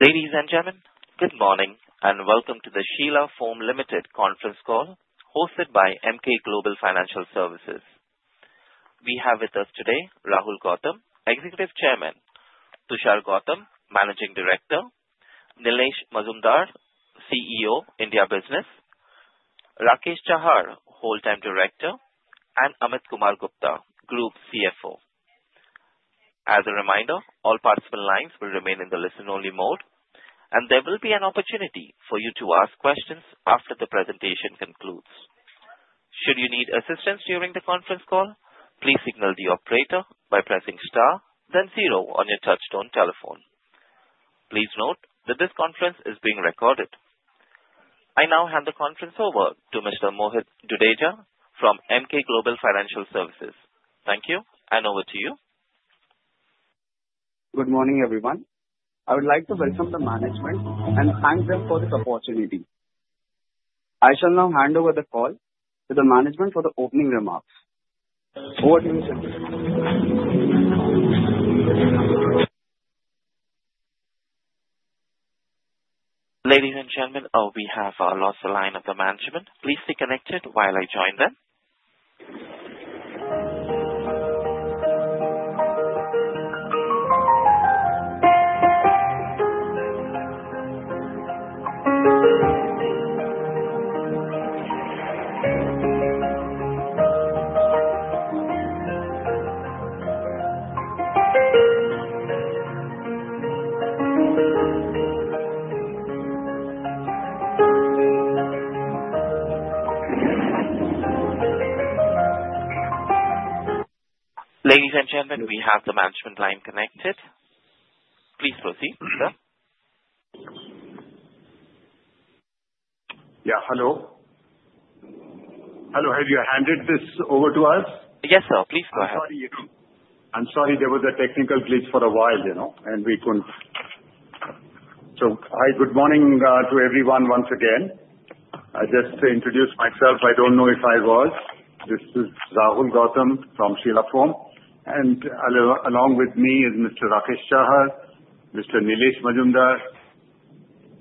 Ladies and gentlemen, good morning and welcome to the Sheela Foam Limited conference call hosted by Emkay Global Financial Services. We have with us today Rahul Gautam, Executive Chairman; Tushar Gautam, Managing Director; Nilesh Mazumdar, CEO, India Business; Rakesh Chahar, Whole Time Director; and Amit Kumar Gupta, Group CFO. As a reminder, all participant lines will remain in the listen-only mode, and there will be an opportunity for you to ask questions after the presentation concludes. Should you need assistance during the conference call, please signal the operator by pressing star, then zero on your touch-tone telephone. Please note that this conference is being recorded. I now hand the conference over to Mr. Mohit Jadeja from Emkay Global Financial Services. Thank you, and over to you. Good morning, everyone. I would like to welcome the management and thank them for this opportunity. I shall now hand over the call to the management for the opening remarks. Over to you, sir. Ladies and gentlemen, we have lost the line of the management. Please stay connected while I join them. Ladies and gentlemen, we have the management line connected. Please proceed, sir. Yeah, hello. Hello, have you handed this over to us? Yes, sir, please go ahead. I'm sorry. I'm sorry, there was a technical glitch for a while, you know, and we couldn't. So hi, good morning to everyone once again. I just introduced myself. I don't know if I was. This is Rahul Gautam from Sheela Foam, and along with me is Mr. Rakesh Chahar, Mr. Nilesh Mazumdar,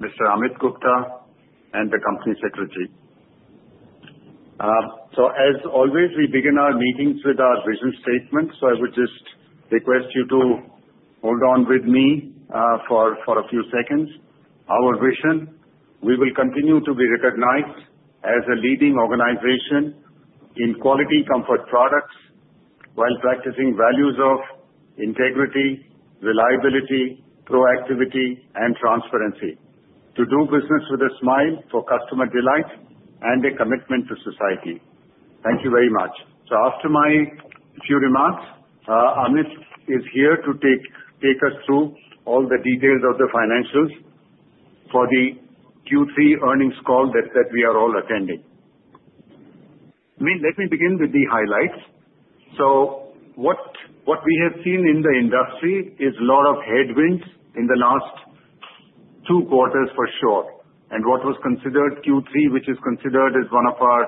Mr. Amit Gupta, and the company secretary. So as always, we begin our meetings with our vision statement, so I would just request you to hold on with me for a few seconds. Our vision: We will continue to be recognized as a leading organization in quality-comfort products while practicing values of integrity, reliability, proactivity, and transparency. To do business with a smile for customer delight and a commitment to society. Thank you very much. After my few remarks, Amit is here to take us through all the details of the financials for the Q3 earnings call that we are all attending. Let me begin with the highlights. What we have seen in the industry is a lot of headwinds in the last two quarters for sure. What was considered Q3, which is considered as one of our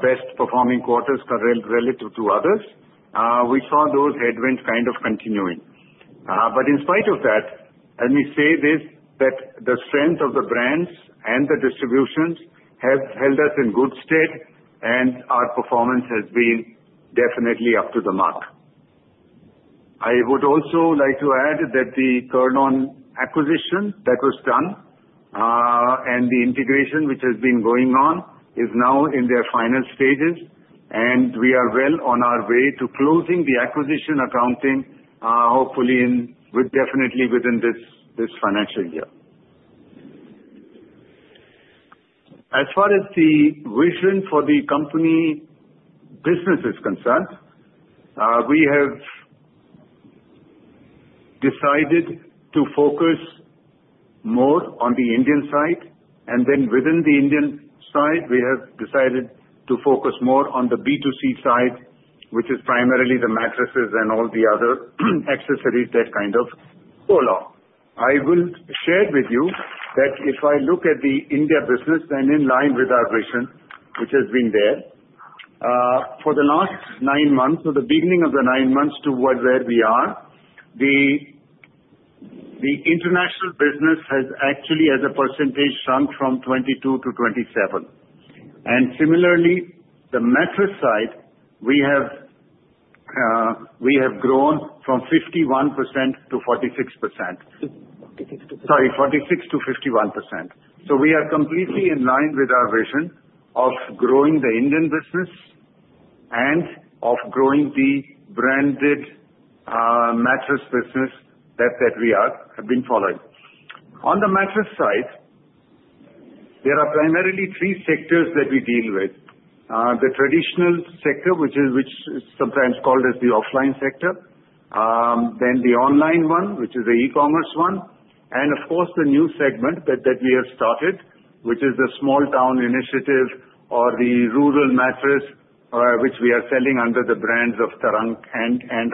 best-performing quarters relative to others, we saw those headwinds kind of continuing. But in spite of that, let me say this: the strength of the brands and the distributions have held us in good state, and our performance has been definitely up to the mark. I would also like to add that the Kurlon acquisition that was done and the integration, which has been going on, is now in their final stages, and we are well on our way to closing the acquisition accounting, hopefully definitely within this financial year. As far as the vision for the company business is concerned, we have decided to focus more on the Indian side, and then within the Indian side, we have decided to focus more on the B2C side, which is primarily the mattresses and all the other accessories that kind of go along. I will share with you that if I look at the India business, then in line with our vision, which has been there, for the last nine months, so the beginning of the nine months to where we are, the international business has actually, as a percentage, shrunk from 22%-27%. And similarly, the mattress side, we have grown from. Sorry, 46-51%. So we are completely in line with our vision of growing the Indian business and of growing the branded mattress business that we have been following. On the mattress side, there are primarily three sectors that we deal with: the traditional sector, which is sometimes called the offline sector, then the online one, which is the e-commerce one, and of course, the new segment that we have started, which is the small-town initiative or the rural mattress, which we are selling under the brands of Tarang and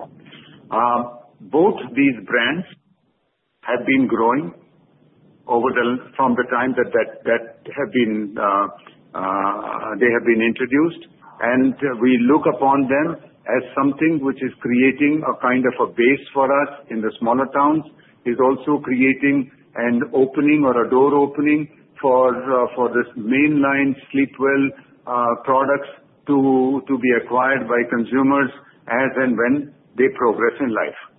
Aaram. Both these brands have been growing from the time that they have been introduced, and we look upon them as something which is creating a kind of a base for us in the smaller towns. It is also creating an opening or a door opening for this mainline Sleepwell products to be acquired by consumers as and when they progress in life.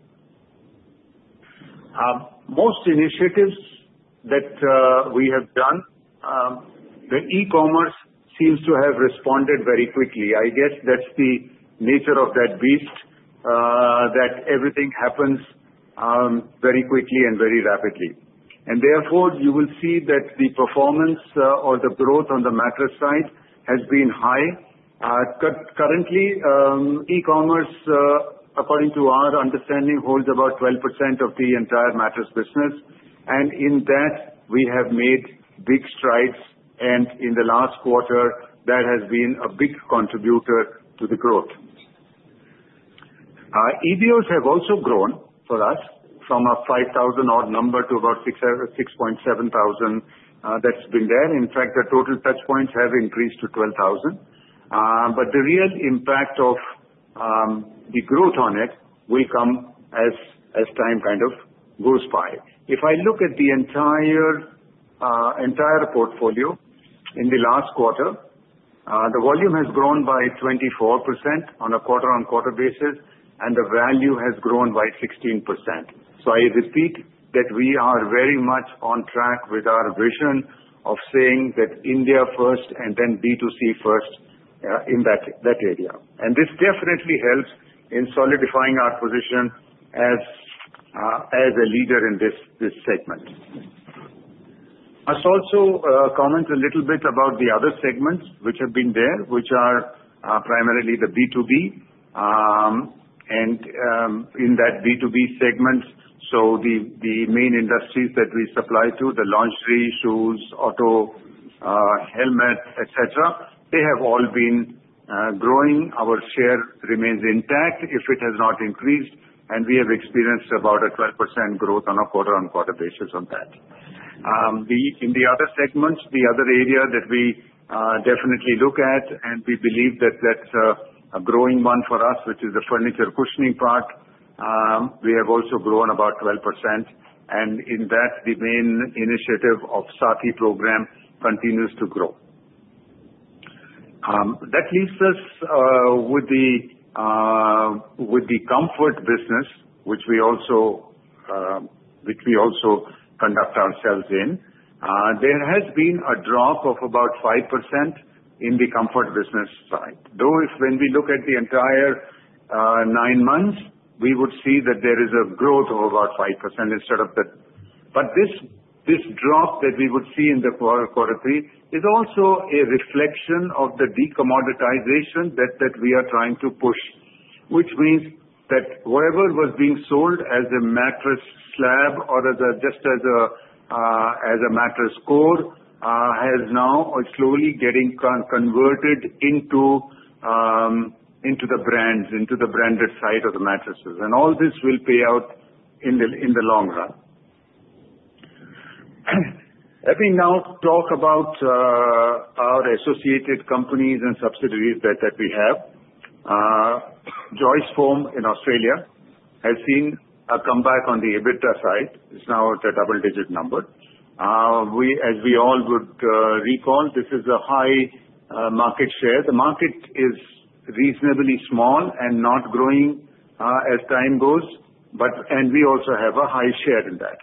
Most initiatives that we have done. The e-commerce seems to have responded very quickly. I guess that's the nature of that beast, that everything happens very quickly and very rapidly. Therefore, you will see that the performance or the growth on the mattress side has been high. Currently, e-commerce, according to our understanding, holds about 12% of the entire mattress business, and in that, we have made big strides, and in the last quarter, that has been a big contributor to the growth. EBOs have also grown for us from a 5,000-odd number to about 6,000, 6.7 thousand that's been there. In fact, the total touchpoints have increased to 12,000. But the real impact of the growth on it will come as time kind of goes by. If I look at the entire portfolio in the last quarter, the volume has grown by 24% on a quarter-on-quarter basis, and the value has grown by 16%, so I repeat that we are very much on track with our vision of saying that India first and then B2C first in that area, and this definitely helps in solidifying our position as a leader in this segment. I'll also comment a little bit about the other segments which have been there, which are primarily the B2B. In that B2B segment, the main industries that we supply to, the lingerie, shoes, auto, helmet, etc., have all been growing. Our share remains intact if it has not increased, and we have experienced about a 12% growth on a quarter-on-quarter basis on that. In the other segments, the other area that we definitely look at, and we believe that that's a growing one for us, which is the furniture cushioning part, we have also grown about 12%, and in that, the main initiative of Saathi program continues to grow. That leaves us with the comfort business, which we also conduct ourselves in. There has been a drop of about 5% in the comfort business side. Though if when we look at the entire nine months, we would see that there is a growth of about 5% instead of the. But this drop that we would see in the quarter three is also a reflection of the decommoditization that we are trying to push, which means that whatever was being sold as a mattress slab or just as a mattress core has now slowly getting converted into the brands, into the branded side of the mattresses, and all this will pay out in the long run. Let me now talk about our associated companies and subsidiaries that we have. Joyce Foam in Australia has seen a comeback on the EBITDA side. It's now at a double-digit number. As we all would recall, this is a high market share. The market is reasonably small and not growing as time goes, and we also have a high share in that.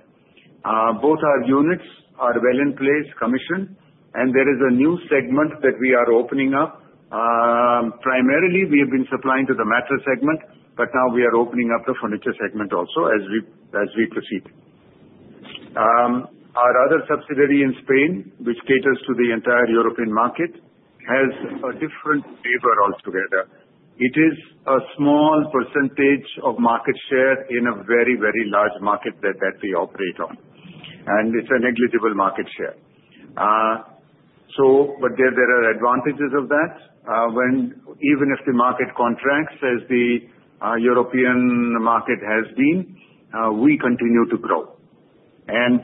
Both our units are well in place, commissioned, and there is a new segment that we are opening up. Primarily, we have been supplying to the mattress segment, but now we are opening up the furniture segment also as we proceed. Our other subsidiary in Spain, which caters to the entire European market, has a different flavor altogether. It is a small percentage of market share in a very, very large market that we operate on, and it's a negligible market share. But there are advantages of that. Even if the market contracts as the European market has been, we continue to grow. And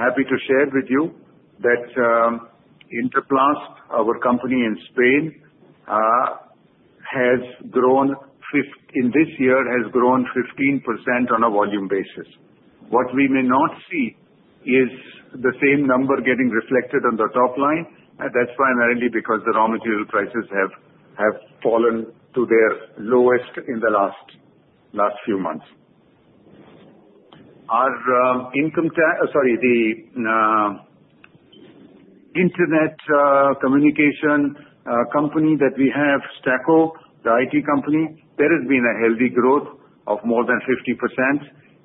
happy to share with you that Interplasp, our company in Spain, has grown in this year, has grown 15% on a volume basis. What we may not see is the same number getting reflected on the top line, and that's primarily because the raw material prices have fallen to their lowest in the last few months. Our internet communication company that we have, Staqo, the IT company, there has been a healthy growth of more than 50%,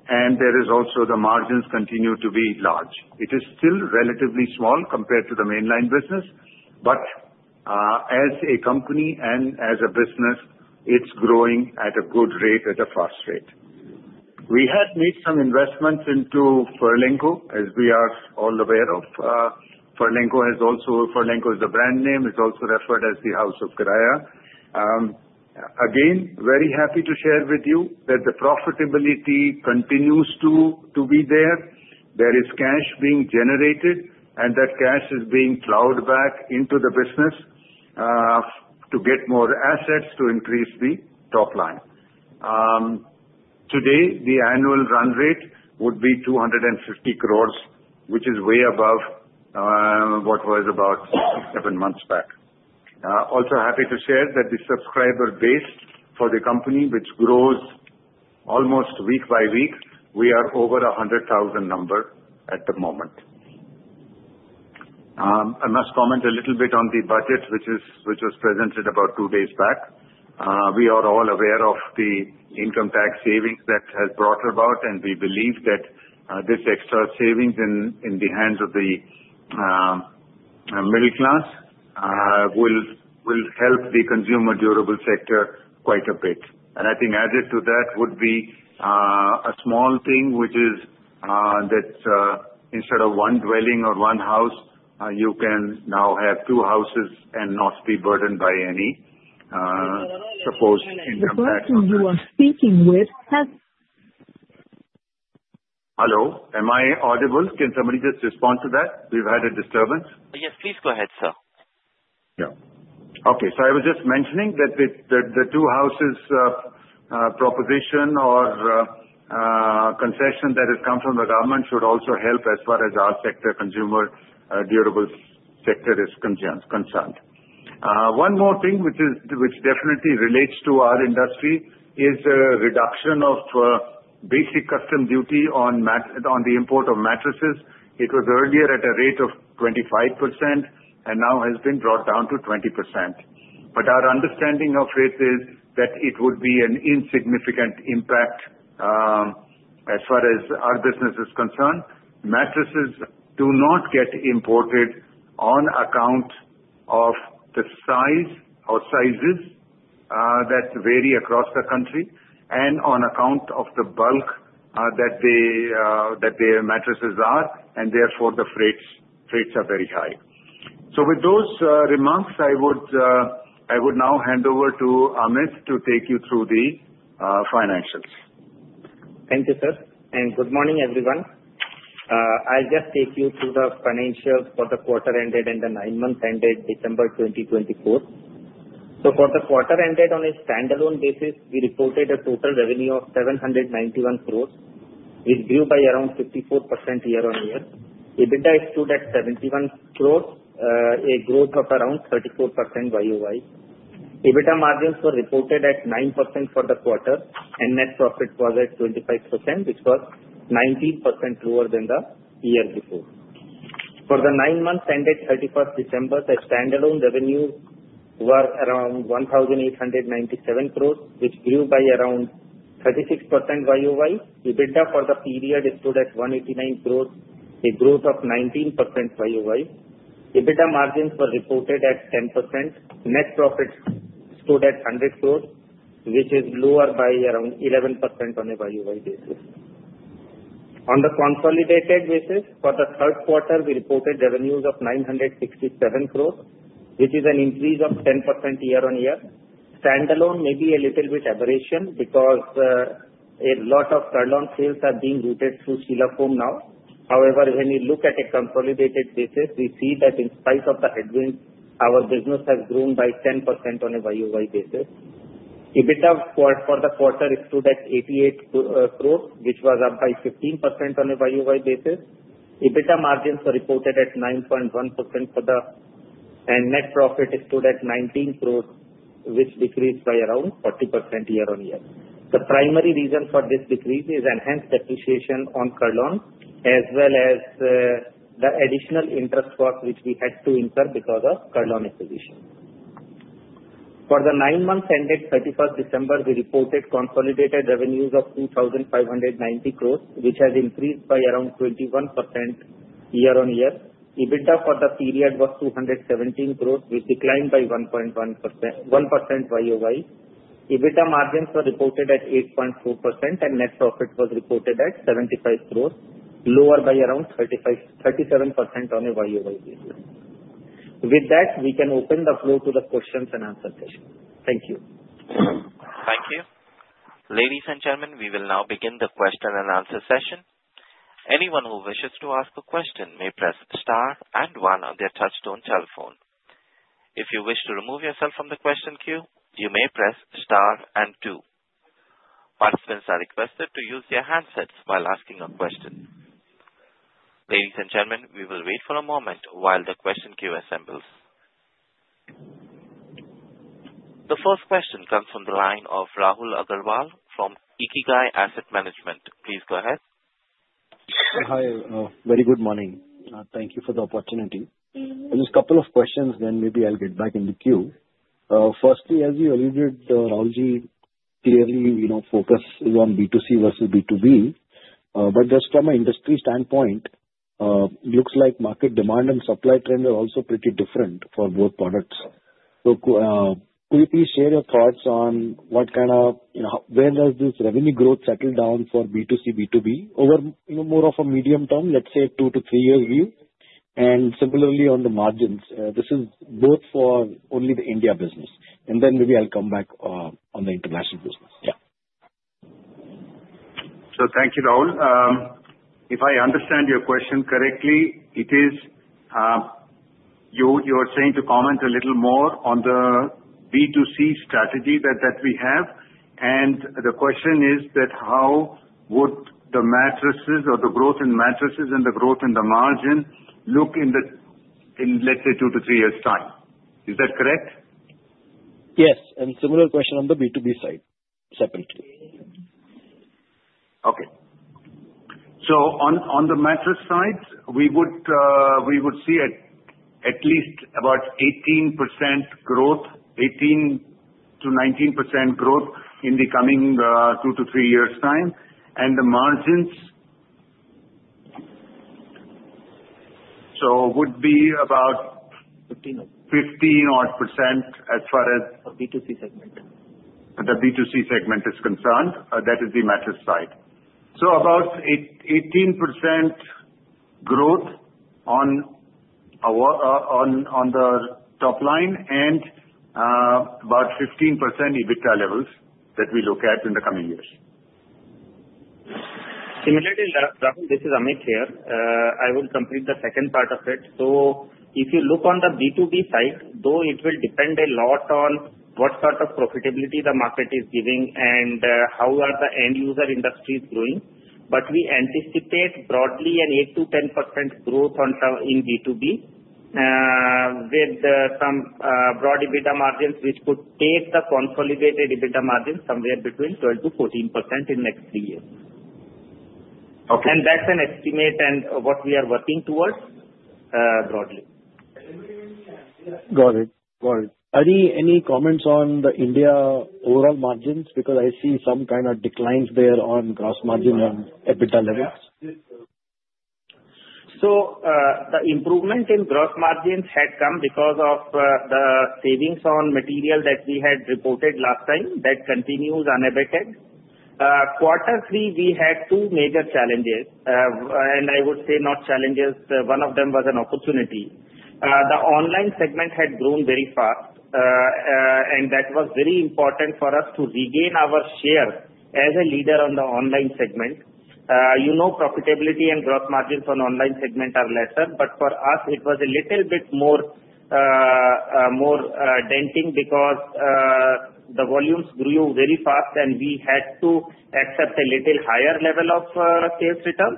and there is also the margins continue to be large. It is still relatively small compared to the mainline business, but as a company and as a business, it's growing at a good rate, at a fast rate. We have made some investments into Furlenco, as we are all aware of. Furlenco is the brand name, is also referred to as the House of Kieraya. Again, very happy to share with you that the profitability continues to be there. There is cash being generated, and that cash is being plowed back into the business to get more assets to increase the top line. Today, the annual run rate would be 250 crores, which is way above what was about seven months back. Also happy to share that the subscriber base for the company, which grows almost week by week, we are over 100,000 number at the moment. I must comment a little bit on the budget, which was presented about two days back. We are all aware of the income tax savings that has brought about, and we believe that this extra savings in the hands of the middle class will help the consumer durable sector quite a bit. I think added to that would be a small thing, which is that instead of one dwelling or one house, you can now have two houses and not be burdened by any supposed income tax on that. The person you are speaking with has. Hello, am I audible? Can somebody just respond to that? We've had a disturbance. Yes, please go ahead, sir. Yeah. Okay. So I was just mentioning that the two houses proposition or concession that has come from the government should also help as far as our sector, consumer durable sector is concerned. One more thing which definitely relates to our industry is the reduction of basic customs duty on the import of mattresses. It was earlier at a rate of 25% and now has been brought down to 20%. But our understanding of it is that it would be an insignificant impact as far as our business is concerned. Mattresses do not get imported on account of the size or sizes that vary across the country and on account of the bulk that the mattresses are, and therefore the freights are very high. So with those remarks, I would now hand over to Amit to take you through the financials. Thank you, sir, and good morning, everyone. I'll just take you through the financials for the quarter ended and the nine months ended 31 December 2024. For the quarter ended on a standalone basis, we reported a total revenue of 791 crores, which grew by around 54% year on year. EBITDA was 71 crores, a growth of around 34% YOY. EBITDA margins were reported at 9% for the quarter, and net profit was at 25 crores, which was 19% lower than the year before. For the nine months ended 31st December, the standalone revenues were around 1,897 crores, which grew by around 36% YOY. EBITDA for the period was 189 crores, a growth of 19% YOY. EBITDA margins were reported at 10%. Net profit stood at 100 crores, which is lower by around 11% on a YOY basis. On the consolidated basis, for the third quarter, we reported revenues of 967 crores, which is an increase of 10% year on year. Standalone may be a little bit aberration because a lot of Kurlon sales have been routed through Sheela Foam now. However, when we look at a consolidated basis, we see that in spite of the headwinds, our business has grown by 10% on a YOY basis. EBITDA for the quarter stood at 88 crores, which was up by 15% on a YOY basis. EBITDA margins were reported at 9.1% for the quarter. Net profit stood at 19 crores, which decreased by around 40% year on year. The primary reason for this decrease is enhanced depreciation on Kurlon, as well as the additional interest costs which we had to incur because of Kurlon acquisition. For the nine months ended 31st December, we reported consolidated revenues of 2,590 crores, which has increased by around 21% year on year. EBITDA for the period was 217 crores, which declined by 1% YOY. EBITDA margins were reported at 8.4%, and net profit was reported at 75 crores, lower by around 37% on a YOY basis. With that, we can open the floor to the questions and answer session. Thank you. Thank you. Ladies and gentlemen, we will now begin the question and answer session. Anyone who wishes to ask a question may press star and one on their touch-tone telephone. If you wish to remove yourself from the question queue, you may press star and two. Participants are requested to use their handsets while asking a question. Ladies and gentlemen, we will wait for a moment while the question queue assembles. The first question comes from the line of Rahul Agarwal from Ikigai Asset Management. Please go ahead. Hi. Very good morning. Thank you for the opportunity. Just a couple of questions, then maybe I'll get back in the queue. Firstly, as you alluded, Rahulji, clearly focus is on B2C versus B2B, but just from an industry standpoint, it looks like market demand and supply trends are also pretty different for both products. So could you please share your thoughts on what kind of where does this revenue growth settle down for B2C, B2B over more of a medium term, let's say two to three years view? And similarly on the margins, this is both for only the India business, and then maybe I'll come back on the international business. Yeah. So thank you, Rahul. If I understand your question correctly, it is you're saying to comment a little more on the B2C strategy that we have. And the question is that how would the mattresses or the growth in mattresses and the growth in the margin look in let's say two to three years' time? Is that correct? Yes. And similar question on the B2B side, separately. Okay, so on the mattress side, we would see at least about 18% growth, 18%-19% growth in the coming two to three years' time, and the margins, so would be about 15% as far as. The B2C segment. The B2C segment is concerned, that is the mattress side, so about 18% growth on the top line and about 15% EBITDA levels that we look at in the coming years. Similarly, Rahul, this is Amit here. I will complete the second part of it. So if you look on the B2B side, though it will depend a lot on what sort of profitability the market is giving and how are the end user industries growing. But we anticipate broadly an 8%-10% growth in B2B with some broad EBITDA margins, which could take the consolidated EBITDA margins somewhere between 12%-14% in next three years. And that's an estimate and what we are working towards broadly. Got it. Got it. Any comments on the India overall margins? Because I see some kind of declines there on gross margin and EBITDA levels. So the improvement in gross margins had come because of the savings on material that we had reported last time, that continues unabated. Quarter three, we had two major challenges, and I would say not challenges. One of them was an opportunity. The online segment had grown very fast, and that was very important for us to regain our share as a leader on the online segment. You know profitability and gross margins on online segment are lesser, but for us, it was a little bit more denting because the volumes grew very fast, and we had to accept a little higher level of sales return,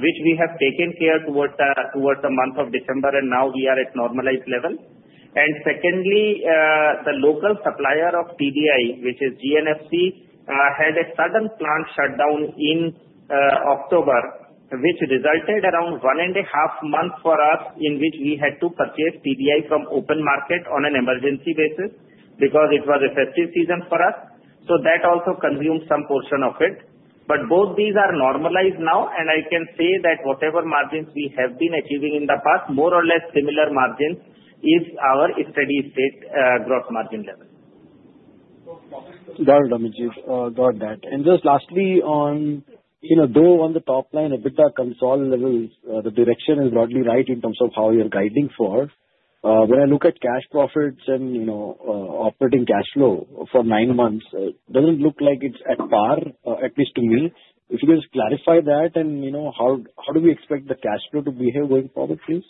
which we have taken care towards the month of December, and now we are at normalized level. Secondly, the local supplier of TDI, which is GNFC, had a sudden plant shutdown in October, which resulted in around one and a half months for us in which we had to purchase TDI from open market on an emergency basis because it was a festive season for us. That also consumed some portion of it. Both these are normalized now, and I can say that whatever margins we have been achieving in the past, more or less similar margins is our steady state gross margin level. Got it, Amitji. Got that. And just lastly, though on the top line, EBITDA consolidated levels, the direction is broadly right in terms of how you're guiding for. When I look at cash profits and operating cash flow for nine months, it doesn't look like it's at par, at least to me. If you can just clarify that and how do we expect the cash flow to behave going forward, please?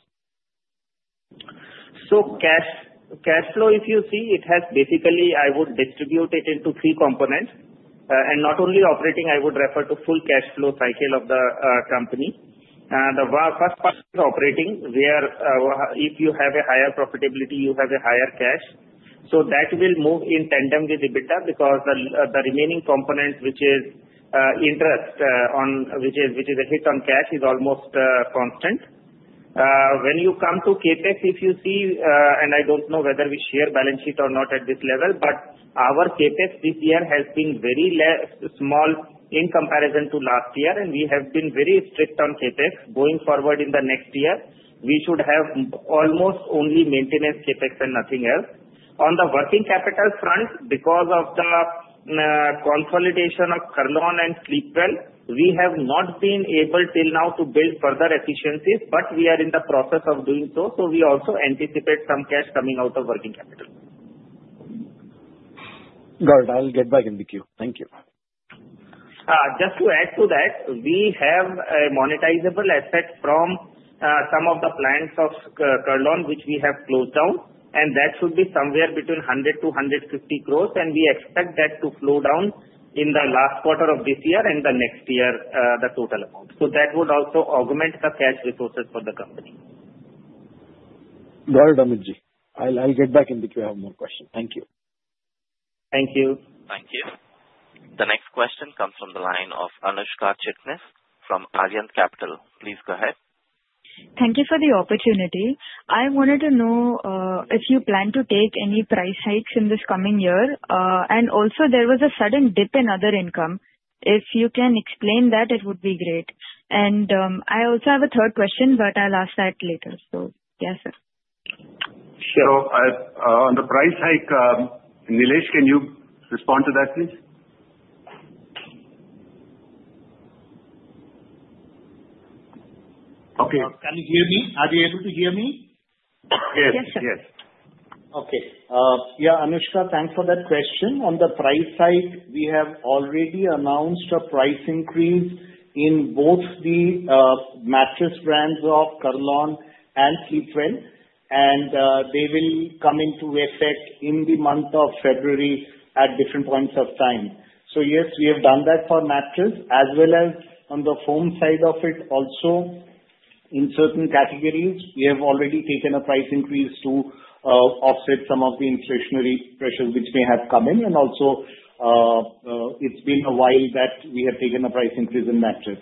So cash flow, if you see, it has basically. I would distribute it into three components and not only operating. I would refer to full cash flow cycle of the company. The first part is operating, where if you have a higher profitability, you have a higher cash. So that will move in tandem with EBITDA because the remaining component, which is interest, which is a hit on cash, is almost constant. When you come to CapEx, if you see, and I don't know whether we share balance sheet or not at this level, but our CapEx this year has been very small in comparison to last year, and we have been very strict on CapEx. Going forward in the next year, we should have almost only maintenance CapEx and nothing else. On the working capital front, because of the consolidation of Kurlon and Sleepwell, we have not been able till now to build further efficiencies, but we are in the process of doing so. So we also anticipate some cash coming out of working capital. Got it. I'll get back in the queue. Thank you. Just to add to that, we have a monetizable asset from some of the plants of Kurlon, which we have closed down, and that should be somewhere between 100-150 crores, and we expect that to flow down in the last quarter of this year and the next year, the total amount. So that would also augment the cash resources for the company. Got it, Amitji. I'll get back in the queue if I have more questions. Thank you. Thank you. Thank you. The next question comes from the line of Anushka Chitnis from Arihant Capital. Please go ahead. Thank you for the opportunity. I wanted to know if you plan to take any price hikes in this coming year. And also, there was a sudden dip in other income. If you can explain that, it would be great. And I also have a third question, but I'll ask that later. So yes, sir. Sure. On the price hike, Nilesh, can you respond to that, please? Okay. Can you hear me? Are you able to hear me? Yes. Yes, sir. Yes. Okay. Yeah, Anushka, thanks for that question. On the price side, we have already announced a price increase in both the mattress brands of Kurlon and Sleepwell, and they will come into effect in the month of February at different points of time. So yes, we have done that for mattress, as well as on the foam side of it also. In certain categories, we have already taken a price increase to offset some of the inflationary pressures which may have come in. And also, it's been a while that we have taken a price increase in mattress.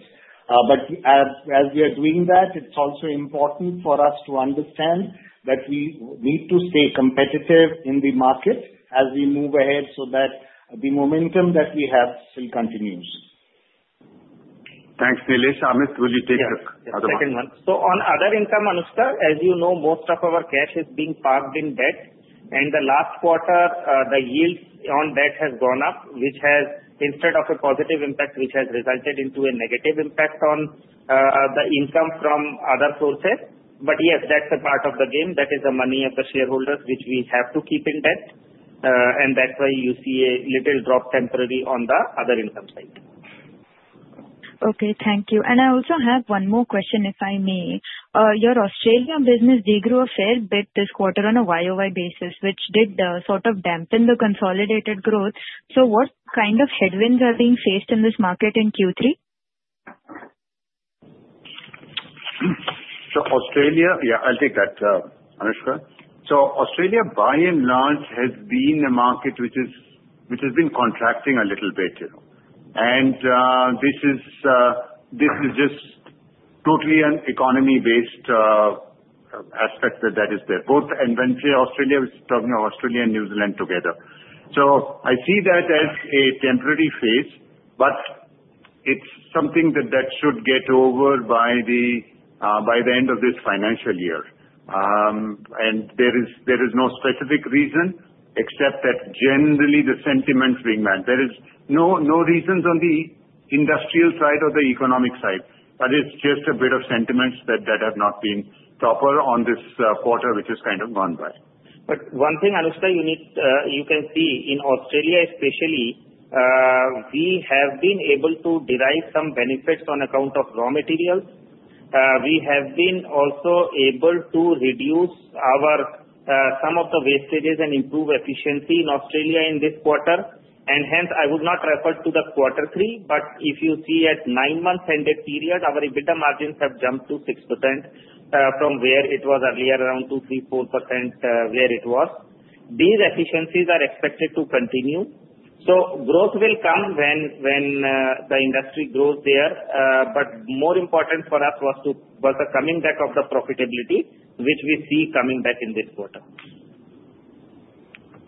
But as we are doing that, it's also important for us to understand that we need to stay competitive in the market as we move ahead so that the momentum that we have still continues. Thanks, Nilesh. Amit, would you take the other one? Yeah, second one. On other income, Anushka, as you know, most of our cash is being parked in debt. And the last quarter, the yield on debt has gone up, which has, instead of a positive impact, resulted into a negative impact on the income from other sources. But yes, that's a part of the game. That is the money of the shareholders, which we have to keep in debt. And that's why you see a little drop temporarily on the other income side. Okay. Thank you. And I also have one more question, if I may. Your Australian business, they grew a fair bit this quarter on a YOY basis, which did sort of dampen the consolidated growth. So what kind of headwinds are being faced in this market in Q3? Australia, yeah, I'll take that, Anushka. Australia, by and large, has been a market which has been contracting a little bit. This is just totally an economy-based aspect that is there. Both in Australia, we're talking of Australia and New Zealand together. I see that as a temporary phase, but it's something that should get over by the end of this financial year. There is no specific reason except that generally the sentiments being bad. There is no reasons on the industrial side or the economic side. But it's just a bit of sentiments that have not been proper on this quarter, which has kind of gone by. But one thing, Anushka, you can see in Australia especially, we have been able to derive some benefits on account of raw materials. We have been also able to reduce some of the wastages and improve efficiency in Australia in this quarter. And hence, I would not refer to the quarter three, but if you see at nine months ended period, our EBITDA margins have jumped to 6% from where it was earlier, around 2%-4% where it was. These efficiencies are expected to continue. So growth will come when the industry grows there. But more important for us was the coming back of the profitability, which we see coming back in this quarter.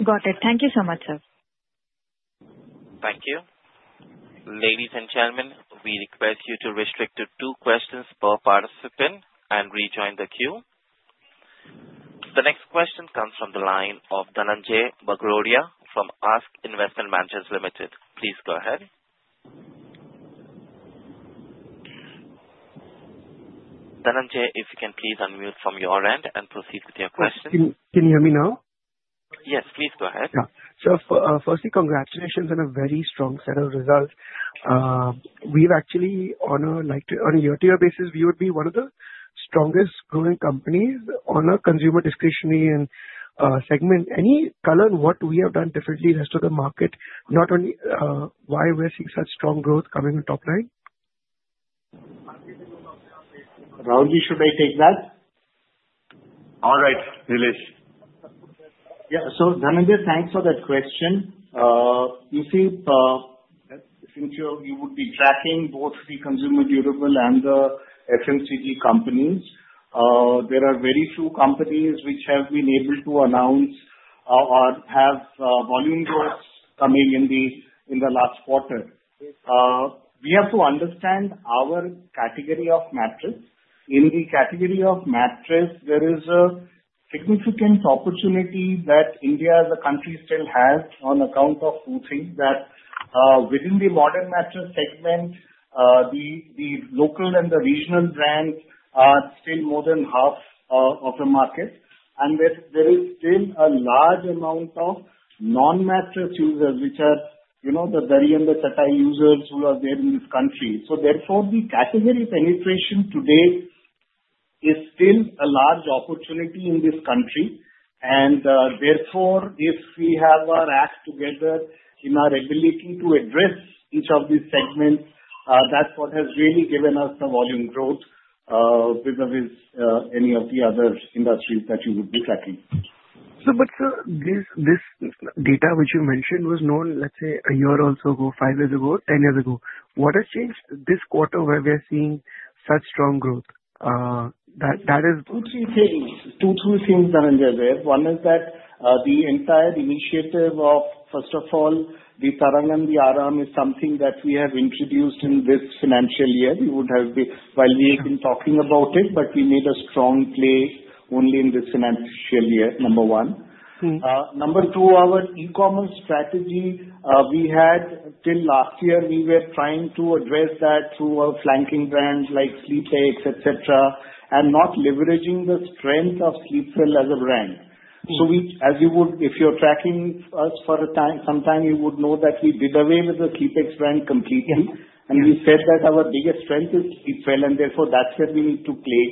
Got it. Thank you so much, sir. Thank you. Ladies and gentlemen, we request you to restrict to two questions per participant and rejoin the queue. The next question comes from the line of Dhananjay Bagrodia from ASK Investment Managers Limited. Please go ahead. Dhananjay, if you can please unmute from your end and proceed with your question. Can you hear me now? Yes, please go ahead. Yeah. So firstly, congratulations on a very strong set of results. We've actually, on a year-to-year basis, we would be one of the strongest growing companies on a consumer discretionary segment. Any color on what we have done differently as to the market, not only why we're seeing such strong growth coming on top line? Rahul, should I take that? All right, Nilesh. Yeah, so Dhananjay, thanks for that question. You see, since you would be tracking both the consumer durable and the FMCG companies, there are very few companies which have been able to announce or have volume growth coming in the last quarter. We have to understand our category of mattress. In the category of mattress, there is a significant opportunity that India as a country still has on account of two things. That within the modern mattress segment, the local and the regional brands are still more than half of the market. And there is still a large amount of non-mattress users, which are the very end of the TATTI users who are there in this country. So therefore, the category penetration today is still a large opportunity in this country. Therefore, if we have our act together in our ability to address each of these segments, that's what has really given us the volume growth because of any of the other industries that you would be tracking. So but sir, this data which you mentioned was known, let's say, a year or so ago, five years ago, 10 years ago. What has changed this quarter where we are seeing such strong growth? That is. Two or three things. Two or three things, Dhananjay, there. One is that the entire initiative of, first of all, the Tarang and the Aaram is something that we have introduced in this financial year. We would have been while we have been talking about it, but we made a strong play only in this financial year, number one. Number two, our e-commerce strategy we had till last year, we were trying to address that through our flanking brands like SleepX, etc., and not leveraging the strength of Sleepwell as a brand. So as you would, if you're tracking us for a time, sometime you would know that we did away with the SleepX brand completely. And we said that our biggest strength is Sleepwell, and therefore, that's where we need to play.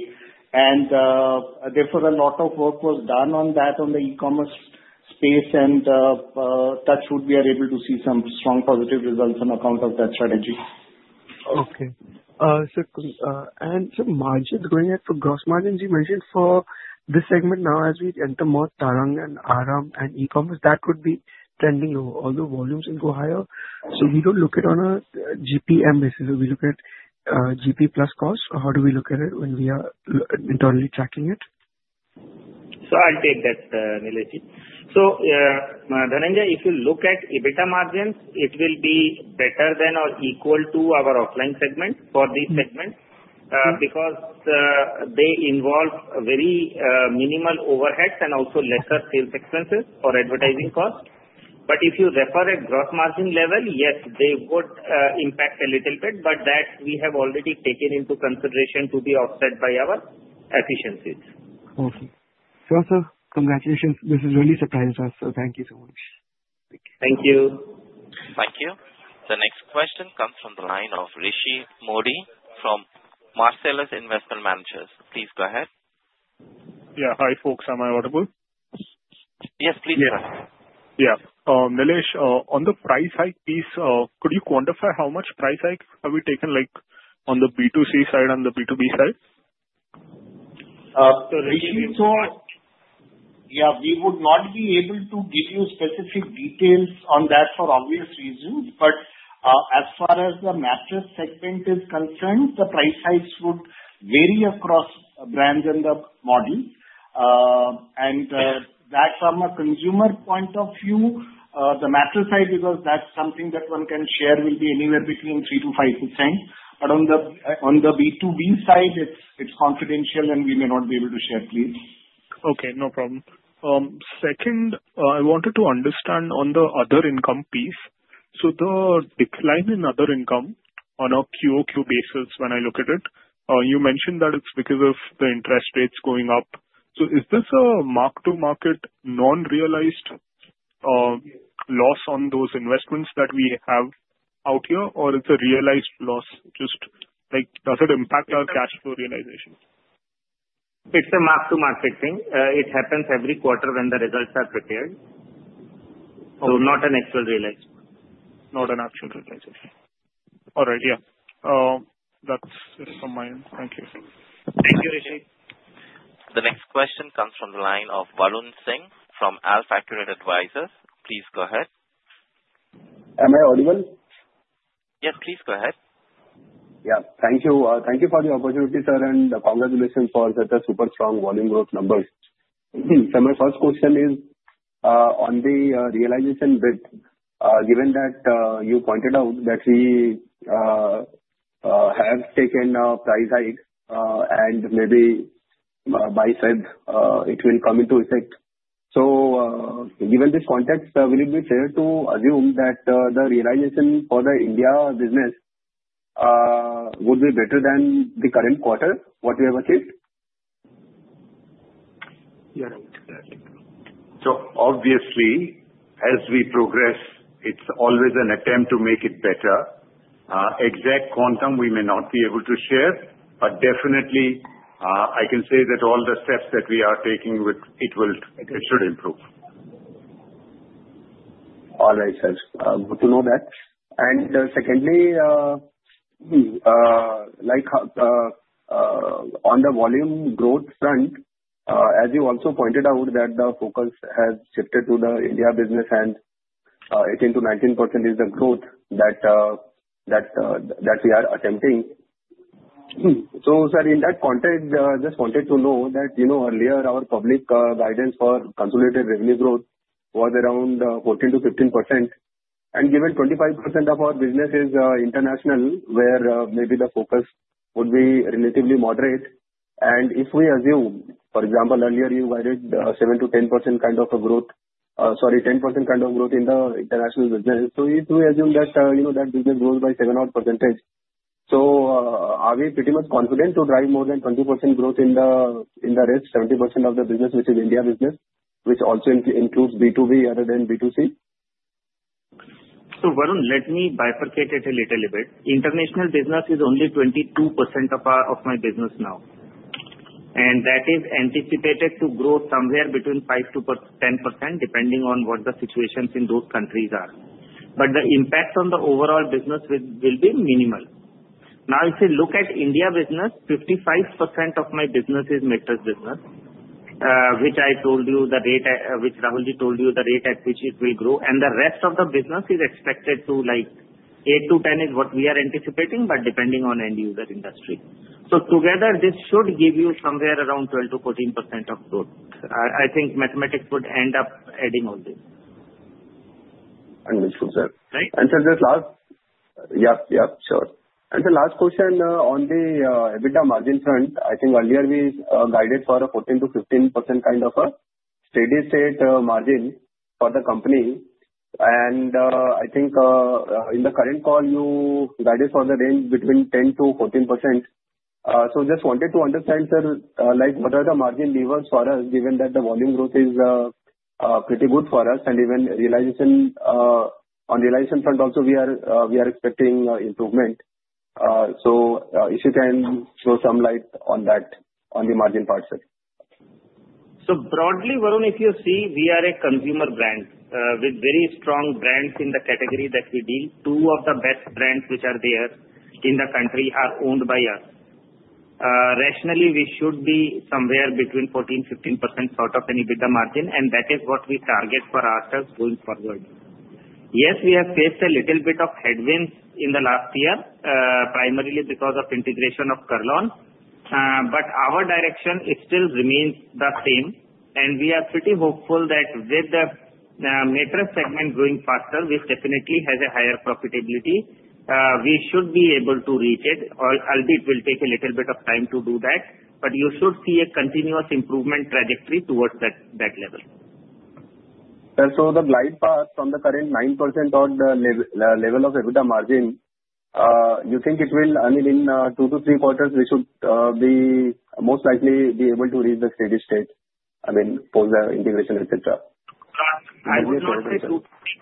Therefore, a lot of work was done on that, on the e-commerce space, and touch wood, we are able to see some strong positive results on account of that strategy. Okay. And so margin growing up for gross margin, as you mentioned, for this segment now, as we enter more Tarang and Aaram and e-commerce, that could be trending lower. Although volumes will go higher, so we don't look at it on a GPM basis. We look at GP-plus cost. How do we look at it when we are internally tracking it? So I'll take that, Nilesh. So Dhananjay, if you look at EBITDA margins, it will be better than or equal to our offline segment for these segments because they involve very minimal overheads and also lesser sales expenses or advertising costs. But if you refer at gross margin level, yes, they would impact a little bit, but that we have already taken into consideration to be offset by our efficiencies. Okay. So sir, congratulations. This has really surprised us. So thank you so much. Thank you. Thank you. The next question comes from the line of Rishi Mody from Marcellus Investment Managers. Please go ahead. Yeah. Hi, folks. Am I audible? Yes, please go ahead. Yeah. Nilesh, on the price hike piece, could you quantify how much price hike have we taken on the B2C side and the B2B side? Rishi thought, yeah, we would not be able to give you specific details on that for obvious reasons. But as far as the mattress segment is concerned, the price hikes would vary across brands and the model. And that's from a consumer point of view. The mattress hike, because that's something that one can share, will be anywhere between 3%-5%. But on the B2B side, it's confidential, and we may not be able to share, please. Okay. No problem. Second, I wanted to understand on the other income piece. So the decline in other income on a QOQ basis, when I look at it, you mentioned that it's because of the interest rates going up. So is this a mark-to-market non-realized loss on those investments that we have out here, or it's a realized loss? Just does it impact our cash flow realization? It's a mark-to-market thing. It happens every quarter when the results are prepared. So not an actual realized loss. Not an actual realization. All right. Yeah. That's it from my end. Thank you. Thank you, Rishi. The next question comes from the line of Varun Singh from AlfAccurate Advisors. Please go ahead. Am I audible? Yes, please go ahead. Yeah. Thank you. Thank you for the opportunity, sir, and congratulations for such a super strong volume growth numbers. So my first question is, on the realization bit, given that you pointed out that we have taken a price hike and maybe by February, it will come into effect. So given this context, will it be fair to assume that the realization for the India business would be better than the current quarter, what we have achieved? Yeah, I would say that. So obviously, as we progress, it's always an attempt to make it better. Exact quantum, we may not be able to share, but definitely, I can say that all the steps that we are taking, it should improve. All right, sir. Good to know that. And secondly, on the volume growth front, as you also pointed out, that the focus has shifted to the India business, and 18%-19% is the growth that we are attempting. So sir, in that context, I just wanted to know that earlier, our public guidance for consolidated revenue growth was around 14%-15%. And given 25% of our business is international, where maybe the focus would be relatively moderate. And if we assume, for example, earlier, you guided 7%-10% kind of a growth, sorry, 10% kind of growth in the international business. So if we assume that that business grows by 7% or 8%, so are we pretty much confident to drive more than 20% growth in the rest, 70% of the business, which is India business, which also includes B2B other than B2C? So Varun, let me bifurcate it a little bit. International business is only 22% of my business now. And that is anticipated to grow somewhere between 5%-10%, depending on what the situations in those countries are. But the impact on the overall business will be minimal. Now, if you look at India business, 55% of my business is mattress business, which I told you the rate, which Rahulji told you the rate at which it will grow. And the rest of the business is expected to 8%-10% is what we are anticipating, but depending on end user industry. So together, this should give you somewhere around 12%-14% of growth. I think mathematics would end up adding all this. Understood, sir. Right? And the last question on the EBITDA margin front, I think earlier we guided for a 14%-15% kind of a steady state margin for the company. And I think in the current call, you guided for the range between 10%-14%. So just wanted to understand, sir, what are the margin levers for us, given that the volume growth is pretty good for us? And even on realization front, also, we are expecting improvement. So if you can throw some light on that, on the margin part, sir. So broadly, Varun, if you see, we are a consumer brand with very strong brands in the category that we deal. Two of the best brands which are there in the country are owned by us. Rationally, we should be somewhere between 14%-15% sort of an EBITDA margin, and that is what we target for ourselves going forward. Yes, we have faced a little bit of headwinds in the last year, primarily because of integration of Kurlon. But our direction still remains the same. And we are pretty hopeful that with the mattress segment growing faster, which definitely has a higher profitability, we should be able to reach it. Albeit, it will take a little bit of time to do that. But you should see a continuous improvement trajectory towards that level. The glide path from the current 9% to the level of EBITDA margin, you think it will, I mean, in two to three quarters, we should most likely be able to reach the steady state, I mean, post the integration, etc.? I would not say two to three.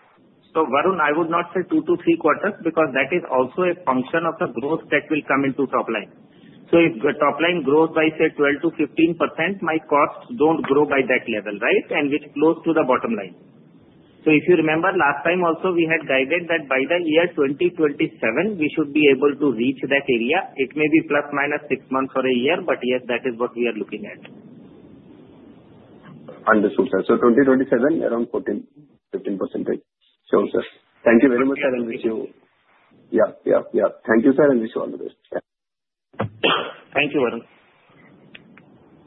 So Varun, I would not say two to three quarters because that is also a function of the growth that will come into top line. So if the top line grows by, say, 12%-15%, my costs don't grow by that level, right? And we're close to the bottom line. So if you remember, last time also, we had guided that by the year 2027, we should be able to reach that area. It may be plus minus six months or a year, but yes, that is what we are looking at. Understood, sir. So 2027, around 14%-15%. Sure, sir. Thank you very much, sir. And wish you. Yeah. Yeah. Yeah. Thank you, sir, and wish you all the best. Yeah. Thank you, Varun.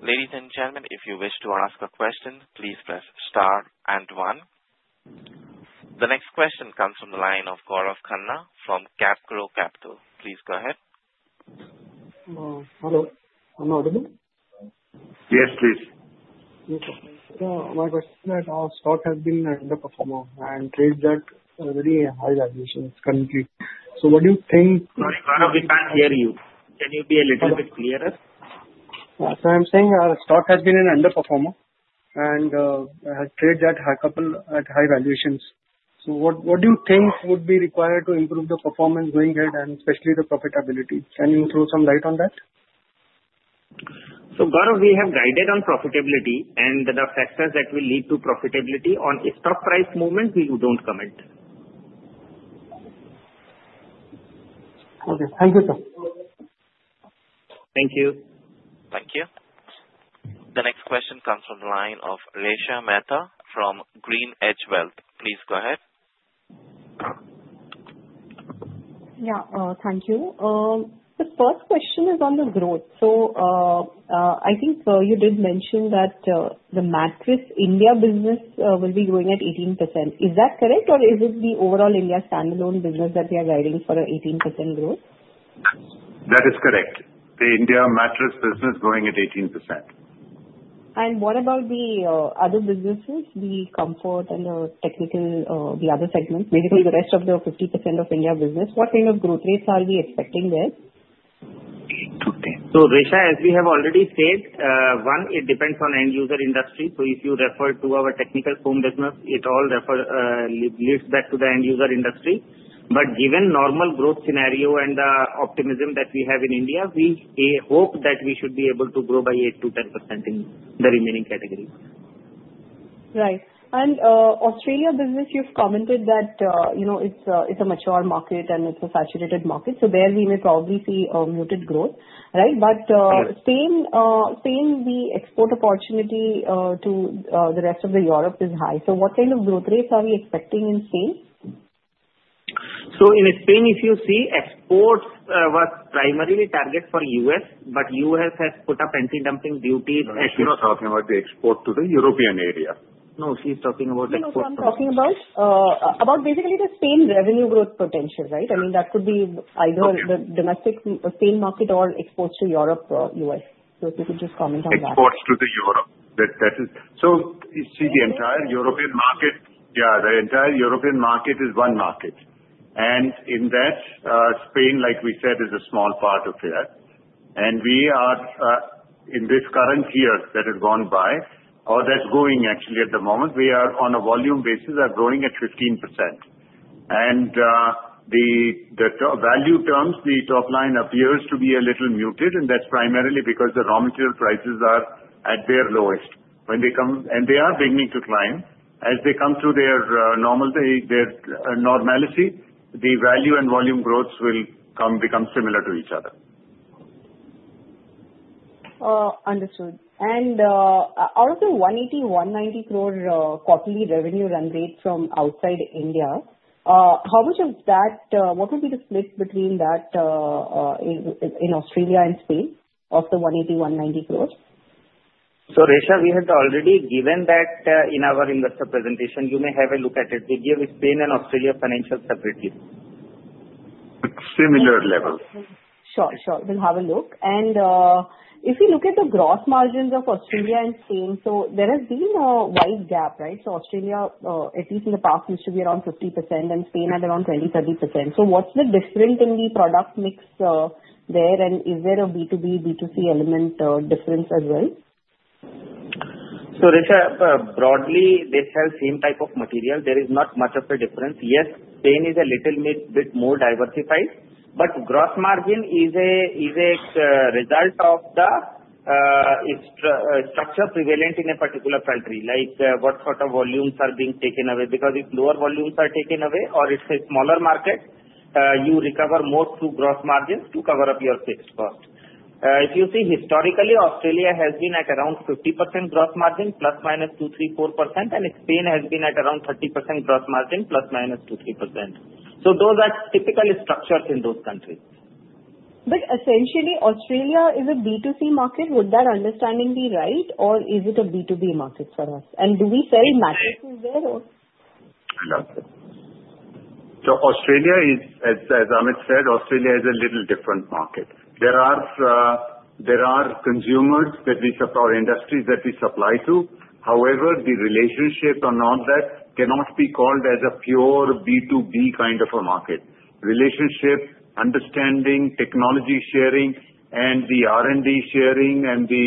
Ladies and gentlemen, if you wish to ask a question, please press star and one. The next question comes from the line of Gaurav Khandelwal from CapGro Capital. Please go ahead. Hello. I'm audible? Yes, please. Okay. So my question is that our stock has been an underperformer and traded at very high valuations currently. So what do you think? Sorry, Gaurav, we can't hear you. Can you be a little bit clearer? I'm saying our stock has been an underperformer and has traded at high valuations. What do you think would be required to improve the performance going ahead and especially the profitability? Can you throw some light on that? So Gaurav, we have guided on profitability and the factors that will lead to profitability on stock price movement. We don't comment. Okay. Thank you, sir. Thank you. Thank you. The next question comes from the line of Resha Mehta from GreenEdge Wealth. Please go ahead. Yeah. Thank you. The first question is on the growth. So I think you did mention that the mattress India business will be growing at 18%. Is that correct, or is it the overall India standalone business that we are guiding for 18% growth? That is correct. The India mattress business is growing at 18%. What about the other businesses, the comfort and the technical, the other segments, basically the rest of the 50% of India business? What kind of growth rates are we expecting there? 8%-10%. So Resha, as we have already said, one, it depends on end user industry. So if you refer to our technical home business, it all leads back to the end user industry. But given normal growth scenario and the optimism that we have in India, we hope that we should be able to grow by 8%-10% in the remaining category. Right, and Australia business, you've commented that it's a mature market and it's a saturated market, so there we may probably see a muted growth, right, but Spain, the export opportunity to the rest of Europe is high, so what kind of growth rates are we expecting in Spain? So in Spain, if you see, exports were primarily targeted for the U.S., but the U.S. has put up anti-dumping duties. No, she was talking about the export to the European area. No, she's talking about export to the U.S. No, I'm talking about basically the Spain revenue growth potential, right? I mean, that could be either the domestic Spain market or exports to Europe or U.S. So if you could just comment on that. Exports to Europe. So you see the entire European market, yeah, the entire European market is one market. And in that, Spain, like we said, is a small part of that. And we are, in this current year that has gone by, or that's going actually at the moment, we are, on a volume basis, growing at 15%. And in value terms, the top line appears to be a little muted, and that's primarily because the raw material prices are at their lowest. And they are beginning to climb. As they come to their normalcy, the value and volume growth will become similar to each other. Understood. And out of the 180-190 crore quarterly revenue run rate from outside India, how much of that, what would be the split between that in Australia and Spain of the 180-190 crore? Resha, we had already given that in our investor presentation. You may have a look at it. We give Spain and Australia financial stability. Similar level. Sure. Sure. We'll have a look. And if you look at the gross margins of Australia and Spain, so there has been a wide gap, right? So Australia, at least in the past, used to be around 50%, and Spain had around 20%-30%. So what's the difference in the product mix there, and is there a B2B, B2C element difference as well? Resha, broadly, they sell the same type of material. There is not much of a difference. Yes, Spain is a little bit more diversified, but gross margin is a result of the structure prevalent in a particular country, like what sort of volumes are being taken away. Because if lower volumes are taken away or it's a smaller market, you recover more through gross margins to cover up your fixed cost. If you see, historically, Australia has been at around 50% gross margin, +-2%, 3%, 4%, and Spain has been at around 30% gross margin, +-2, 3%. Those are typical structures in those countries. But essentially, Australia is a B2C market. Would that understanding be right, or is it a B2B market for us? And do we sell mattresses there, or? So Australia, as Amit said, Australia is a little different market. There are consumers that we supply, industries that we supply to. However, the relationship on all that cannot be called as a pure B2B kind of a market. Relationship, understanding, technology sharing, and the R&D sharing and the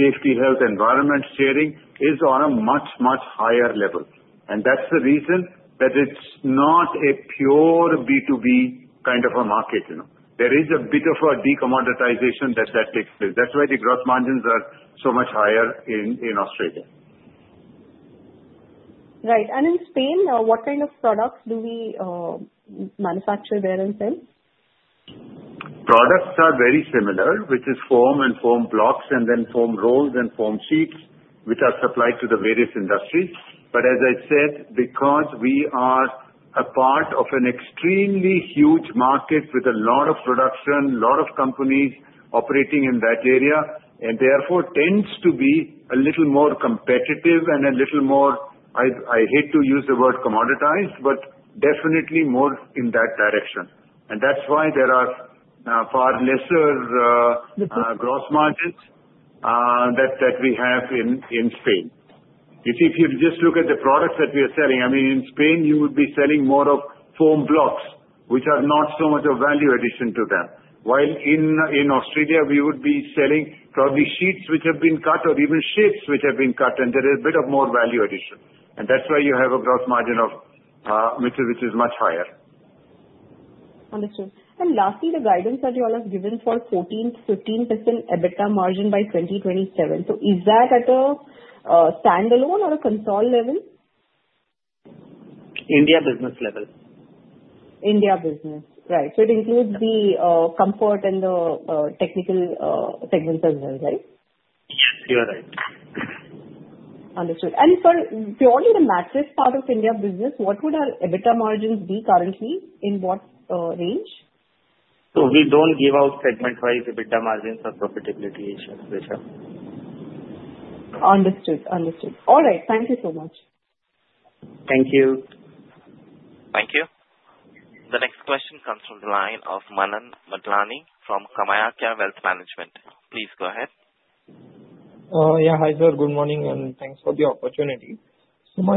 safety, health, environment sharing is on a much, much higher level. And that's the reason that it's not a pure B2B kind of a market. There is a bit of a decommoditization that takes place. That's why the gross margins are so much higher in Australia. Right. In Spain, what kind of products do we manufacture there and sell? Products are very similar, which is foam and foam blocks, and then foam rolls and foam sheets, which are supplied to the various industries. But as I said, because we are a part of an extremely huge market with a lot of production, a lot of companies operating in that area, and therefore tends to be a little more competitive and a little more, I hate to use the word commoditized, but definitely more in that direction. And that's why there are far lesser gross margins that we have in Spain. If you just look at the products that we are selling, I mean, in Spain, you would be selling more of foam blocks, which are not so much of value addition to them. While in Australia, we would be selling probably sheets which have been cut or even shapes which have been cut, and there is a bit more value addition, and that's why you have a gross margin which is much higher. Understood. And lastly, the guidance that you all have given for 14%-15% EBITDA margin by 2027. So is that at a standalone or a consolidated level? India business level. India business. Right. So it includes the comfort and the technical segments as well, right? Yes, you are right. Understood. And purely the mattress part of India business, what would our EBITDA margins be currently? In what range? So we don't give out segment-wise EBITDA margins or profitability issues, Resha. Understood. Understood. All right. Thank you so much. Thank you. Thank you. The next question comes from the line of Manan Madlani from KamayaKya Wealth Management. Please go ahead. Yeah. Hi sir, good morning, and thanks for the opportunity. So my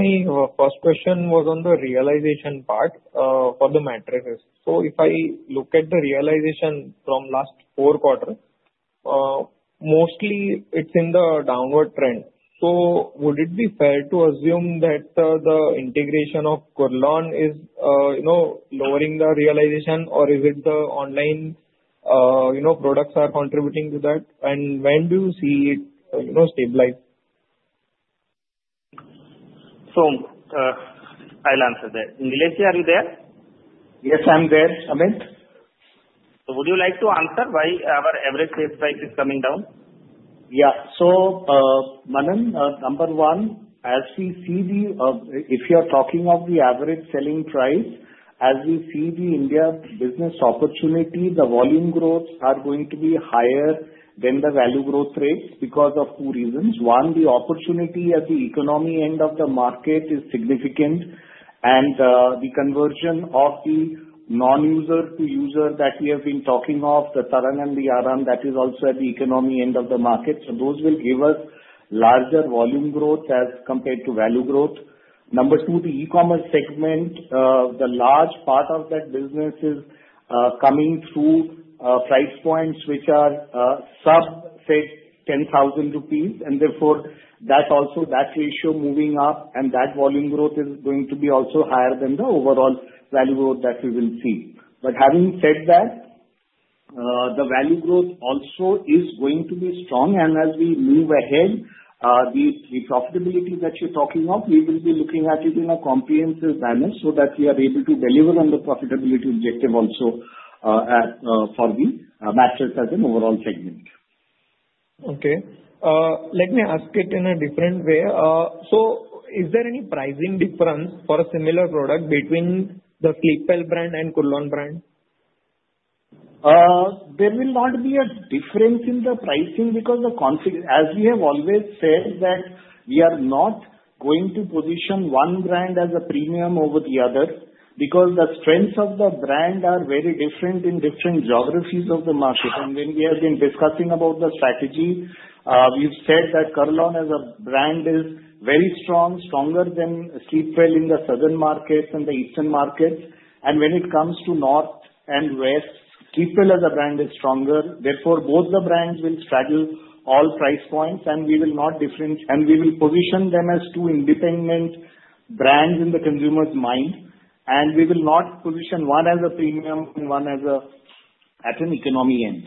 first question was on the realization part for the mattresses. So if I look at the realization from last four quarters, mostly it's in the downward trend. So would it be fair to assume that the integration of Kurlon is lowering the realization, or is it the online products are contributing to that? And when do you see it stabilize? So I'll answer that. Nilesh, are you there? Yes, I'm there. Amit. So would you like to answer why our average sales price is coming down? Yeah. So Manan, number one, as we see the, if you're talking of the average selling price, as we see the India business opportunity, the volume growths are going to be higher than the value growth rates because of two reasons. One, the opportunity at the economy end of the market is significant, and the conversion of the non-user to user that we have been talking of, the Tarang and the Aaram, that is also at the economy end of the market. So those will give us larger volume growth as compared to value growth. Number two, the e-commerce segment, the large part of that business is coming through price points which are sub-INR 10,000, and therefore that also that ratio moving up, and that volume growth is going to be also higher than the overall value growth that we will see. But having said that, the value growth also is going to be strong, and as we move ahead, the profitability that you're talking of, we will be looking at it in a comprehensive manner so that we are able to deliver on the profitability objective also for the mattress as an overall segment. Okay. Let me ask it in a different way. So is there any pricing difference for a similar product between the Sleepwell brand and Kurlon brand? There will not be a difference in the pricing because, as we have always said, that we are not going to position one brand as a premium over the other because the strengths of the brand are very different in different geographies of the market. And when we have been discussing about the strategy, we've said that Kurlon as a brand is very strong, stronger than Sleepwell in the southern markets and the eastern markets. And when it comes to north and west, Sleepwell as a brand is stronger. Therefore, both the brands will straddle all price points, and we will not differentiate, and we will position them as two independent brands in the consumer's mind. And we will not position one as a premium and one as an economy end.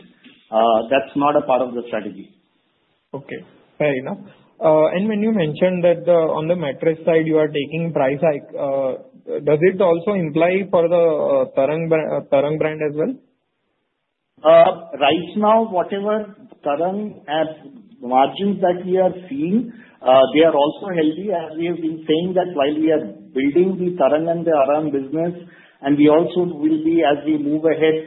That's not a part of the strategy. Okay. Fair enough. And when you mentioned that on the mattress side, you are taking price high, does it also imply for the Tarang brand as well? Right now, whatever Tarang margins that we are seeing, they are also healthy. As we have been saying that while we are building the Tarang and the Aaram business, and we also will be, as we move ahead,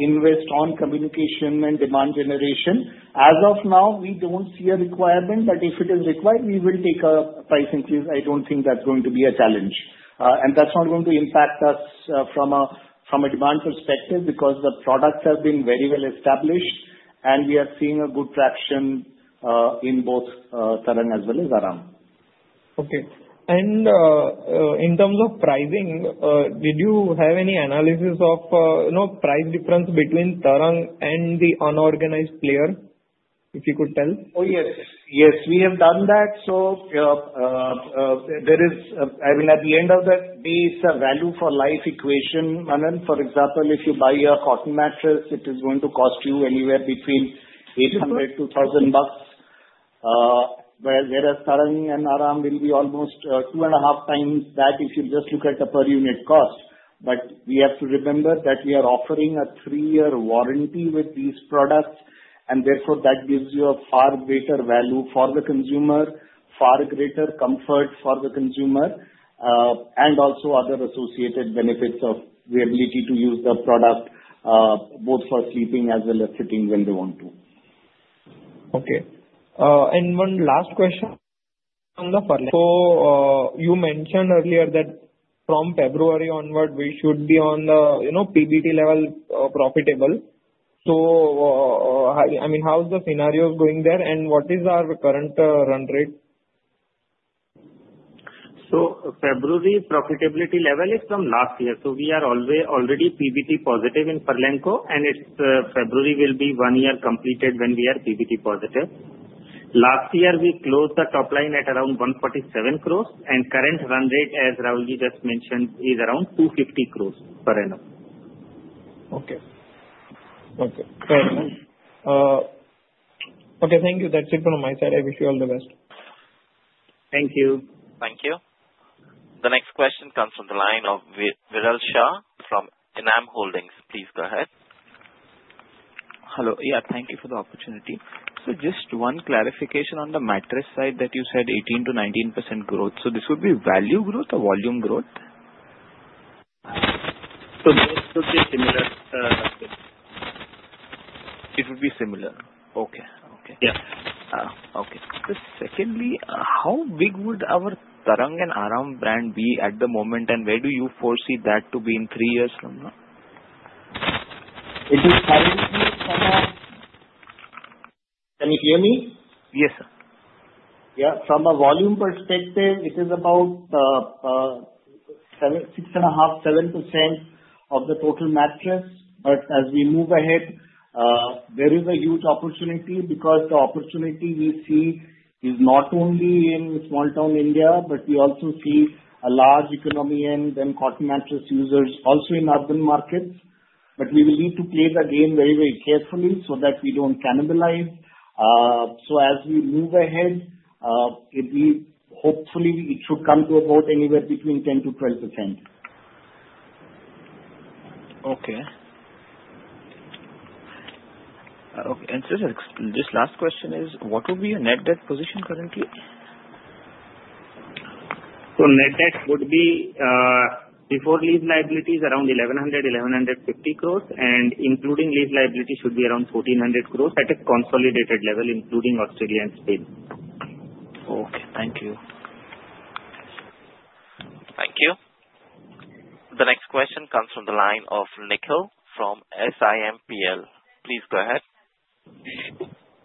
invest on communication and demand generation. As of now, we don't see a requirement, but if it is required, we will take a price increase. I don't think that's going to be a challenge, and that's not going to impact us from a demand perspective because the products have been very well established, and we are seeing a good traction in both Tarang as well as Aaram. Okay. And in terms of pricing, did you have any analysis of price difference between Tarang and the unorganized player, if you could tell? Oh, yes. Yes, we have done that. So there is, I mean, at the end of the day, it's a value for life equation. For example, if you buy a cotton mattress, it is going to cost you anywhere between 800 to 1,000 bucks, whereas Tarang and Aaram will be almost two and a half times that if you just look at the per unit cost. But we have to remember that we are offering a three-year warranty with these products, and therefore that gives you a far greater value for the consumer, far greater comfort for the consumer, and also other associated benefits of the ability to use the product both for sleeping as well as sitting when they want to. Okay. And one last question. So you mentioned earlier that from February onward, we should be on the PBT level profitable. So I mean, how's the scenario going there, and what is our current run rate? February profitability level is from last year. We are already PBT positive in Furlenco, and February will be one year completed when we are PBT positive. Last year, we closed the top line at around 147 crores, and current run rate, as Rahul ji just mentioned, is around 250 crores per annum. Okay. Okay. Fair enough. Okay. Thank you. That's it from my side. I wish you all the best. Thank you. Thank you. The next question comes from the line of Viral Shah from ENAM Holdings. Please go ahead. Hello. Yeah. Thank you for the opportunity. So just one clarification on the mattress side that you said 18%-19% growth. So this would be value growth or volume growth? Both would be similar. It would be similar. Okay. Okay. Yeah. Okay. So secondly, how big would our Tarang and Aaram brand be at the moment, and where do you foresee that to be in three years from now? Can you hear me? Yes, sir. Yeah. From a volume perspective, it is about 6.5%-7% of the total mattress. But as we move ahead, there is a huge opportunity because the opportunity we see is not only in small-town India, but we also see a large economy end and cotton mattress users also in urban markets. But we will need to play the game very, very carefully so that we don't cannibalize. So as we move ahead, hopefully, it should come to about anywhere between 10%-12%. Okay. Okay. And this last question is, what would be your net debt position currently? Net debt would be, before lease liabilities, around 1,100-1,150 crores, and including lease liability should be around 1,400 crores at a consolidated level, including Australia and Spain. Okay. Thank you. Thank you. The next question comes from the line of Nikhil from SiMPL. Please go ahead.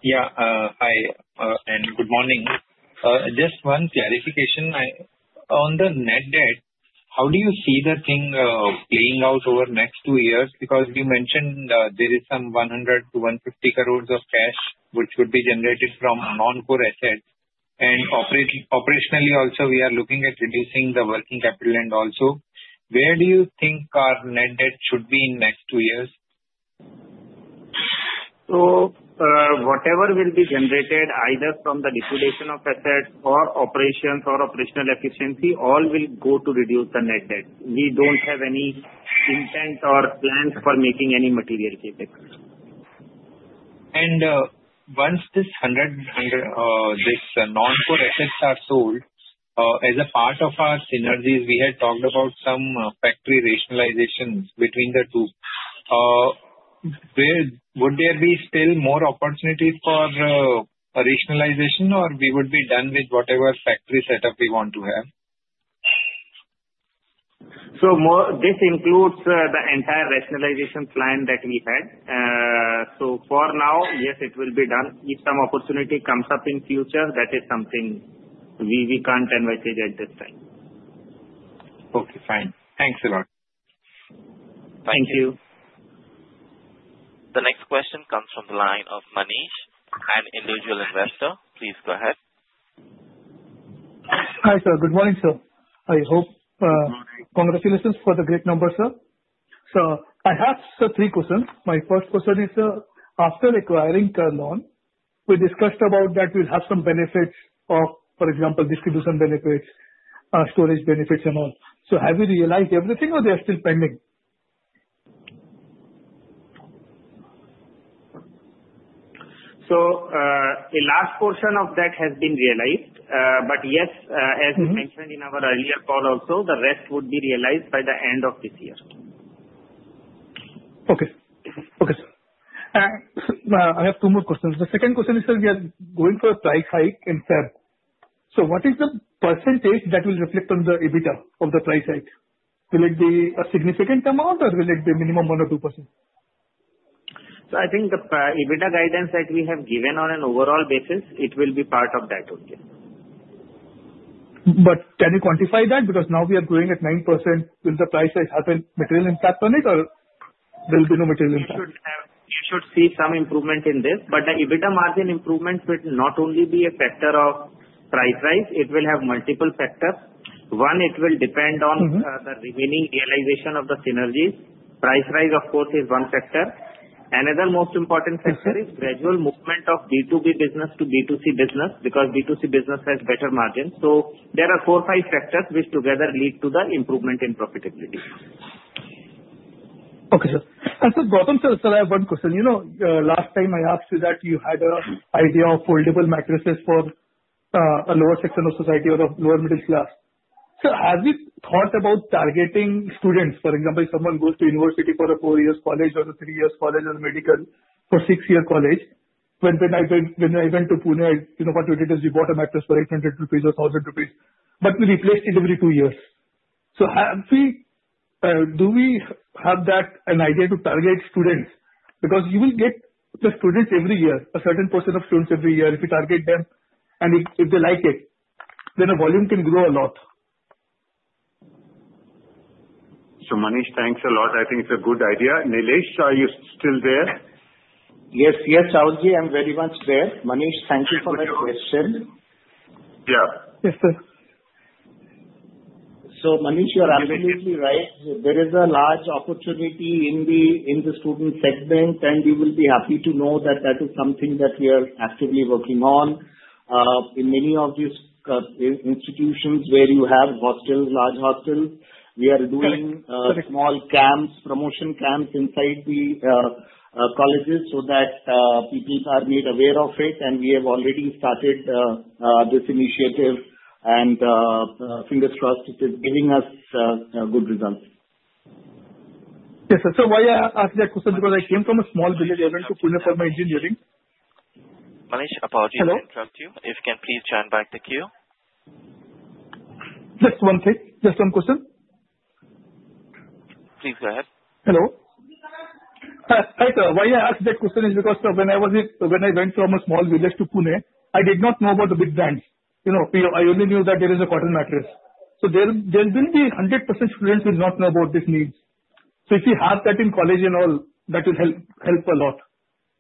Yeah. Hi, and good morning. Just one clarification. On the net debt, how do you see the thing playing out over next two years? Because you mentioned there is some 100-150 crores of cash which would be generated from non-core assets. And operationally, also, we are looking at reducing the working capital and also. Where do you think our net debt should be in next two years? So whatever will be generated, either from the liquidation of assets or operations or operational efficiency, all will go to reduce the net debt. We don't have any intent or plans for making any material savings. Once this non-core assets are sold, as a part of our synergies, we had talked about some factory rationalizations between the two. Would there be still more opportunities for rationalization, or we would be done with whatever factory setup we want to have? This includes the entire rationalization plan that we had. For now, yes, it will be done. If some opportunity comes up in the future, that is something we can't anticipate at this time. Okay. Fine. Thanks a lot. Thank you. Thank you. The next question comes from the line of Manish, an individual investor. Please go ahead. Hi, sir. Good morning, sir. I hope congratulations for the great number, sir. So I have three questions. My first question is, after acquiring Kurlon, we discussed about that we'll have some benefits of, for example, distribution benefits, storage benefits, and all. So have you realized everything, or they are still pending? So a last portion of that has been realized. But yes, as we mentioned in our earlier call, also, the rest would be realized by the end of this year. Okay. Okay, sir. I have two more questions. The second question is, we are going for a price hike in February. So what is the percentage that will reflect on the EBITDA of the price hike? Will it be a significant amount, or will it be a minimum of 1% or 2%? So I think the EBITDA guidance that we have given on an overall basis, it will be part of that, okay. But can you quantify that? Because now we are going at 9%. Will the price hike have any material impact on it, or will there be no material impact? You should see some improvement in this. But the EBITDA margin improvement should not only be a factor of price rise. It will have multiple factors. One, it will depend on the remaining realization of the synergies. Price rise, of course, is one factor. Another most important factor is gradual movement of B2B business to B2C business because B2C business has better margins. So there are four or five factors which together lead to the improvement in profitability. Okay, sir. And sir, Gautam sir, I have one question. Last time I asked you that you had an idea of foldable mattresses for a lower section of society or a lower middle class. Sir, have you thought about targeting students? For example, someone goes to university for a four-year college or a three-year college or a medical for a six-year college. When I went to Pune, what we did is we bought a mattress for 800 rupees or 1,000 rupees, but we replaced it every two years. So do we have that, an idea to target students? Because you will get the students every year, a certain portion of students every year. If you target them and if they like it, then the volume can grow a lot. So Manish, thanks a lot. I think it's a good idea. Nilesh, are you still there? Yes. Yes, Rahul, I'm very much there. Manish, thank you for that question. Yeah. Yes, sir. Manish, you are absolutely right. There is a large opportunity in the student segment, and we will be happy to know that that is something that we are actively working on. In many of these institutions where you have hostels, large hostels, we are doing small camps, promotion camps inside the colleges so that people are made aware of it. We have already started this initiative, and fingers crossed, it is giving us good results. Yes, sir. So why I asked that question because I came from a small village and went to Pune for my engineering. Manish, apologies to interrupt you. If you can, please join back the queue. Just one thing. Just one question. Please go ahead. Hello. Hi sir. Why I asked that question is because when I went from a small village to Pune, I did not know about the big brands. I only knew that there is a cotton mattress. So there will be 100% students who will not know about these needs. So if you have that in college and all, that will help a lot.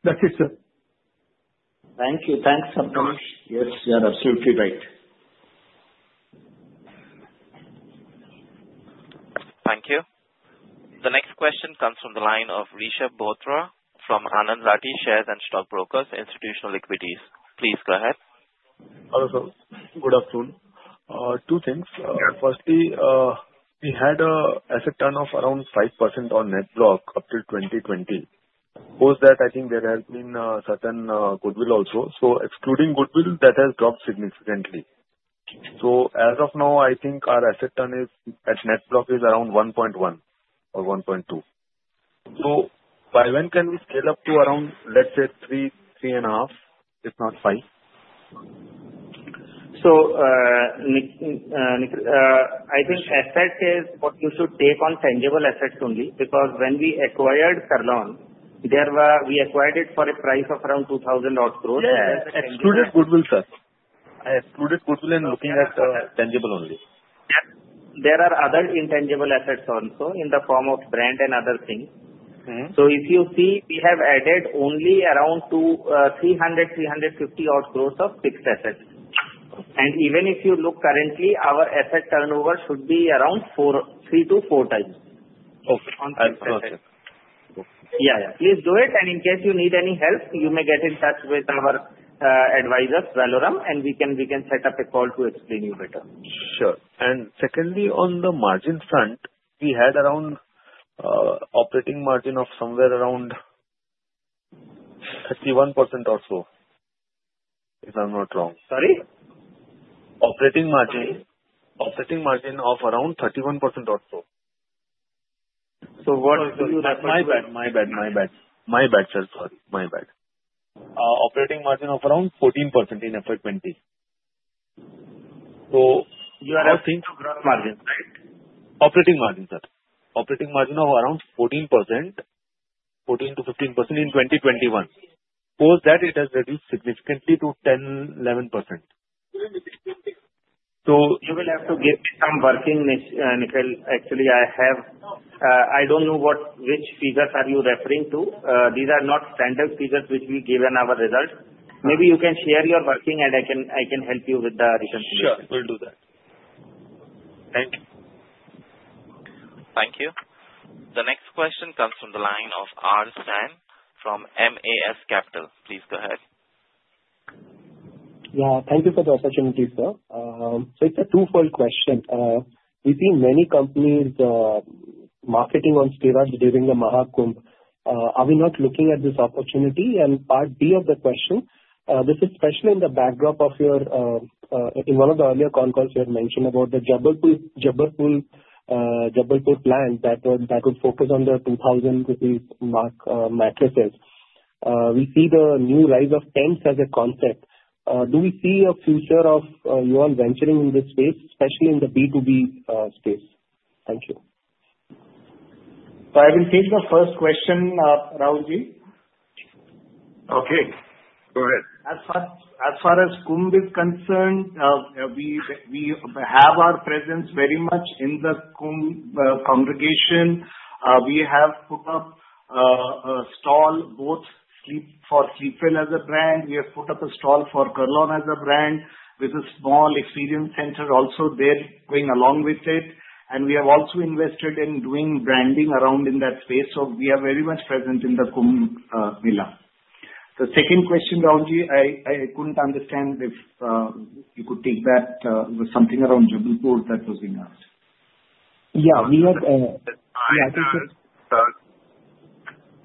That's it, sir. Thank you. Thanks so much. Yes, you are absolutely right. Thank you. The next question comes from the line of Rishab Bothra from Anand Rathi Shares and Stock Brokers, Institutional Equities. Please go ahead. Hello, sir. Good afternoon. Two things. Firstly, we had an asset turnover of around 5% on Net Block up to 2020. Post that, I think there has been a certain goodwill also. So excluding goodwill, that has dropped significantly. So as of now, I think our asset turnover on Net Block is around 1.1 or 1.2. So by when can we scale up to around, let's say, 3.5, if not 5? So Nikhil, I think assets is what you should take on tangible assets only because when we acquired Kurlon, we acquired it for a price of around 2,000 crores. Yeah. Excluded goodwill, sir. Excluded goodwill and looking at tangible only. There are other intangible assets also in the form of brand and other things. So if you see, we have added only around 300-350 crores of fixed assets. And even if you look currently, our asset turnover should be around three to four times. Okay. Yeah. Please do it. In case you need any help, you may get in touch with our advisor, Valorem, and we can set up a call to explain you better. Sure. And secondly, on the margin front, we had around operating margin of somewhere around 31% also, if I'm not wrong. Sorry? Operating margin of around 31% also. So what? My bad. My bad. My bad, sir. Sorry. My bad. Operating margin of around 14% in FY 2020. So you are asking to grow margins, right? Operating margin, sir. Operating margin of around 14%-15% in 2021. Post that, it has reduced significantly to 10%-11%. So you will have to give me some working, Nikhil. Actually, I don't know which figures are you referring to. These are not standard figures which we give in our results. Maybe you can share your working, and I can help you with the return figures. Sure. We'll do that. Thank you. Thank you. The next question comes from the line of R. Sam from MAS Capital. Please go ahead. Yeah. Thank you for the opportunity, sir. So it's a twofold question. We've seen many companies marketing on Cytiva during the Maha Kumbh. Are we not looking at this opportunity? And part B of the question, this is especially in the backdrop of your in one of the earlier calls, you had mentioned about the Jabalpur plan that would focus on the 2,000-rupee mark mattresses. We see the new rise of tents as a concept. Do we see a future of you all venturing in this space, especially in the B2B space? Thank you. So I will take the first question, Rahulji. Okay. Go ahead. As far as Kumbh is concerned, we have our presence very much in the Kumbh congregation. We have put up a stall both for Sleepwell as a brand. We have put up a stall for Kurlon as a brand with a small experience center also there going along with it. And we have also invested in doing branding around in that space. So we are very much present in the Kumbh Mela. The second question, Rahulji, I couldn't understand if you could take that. It was something around Jabalpur that was being asked. Yeah. We had.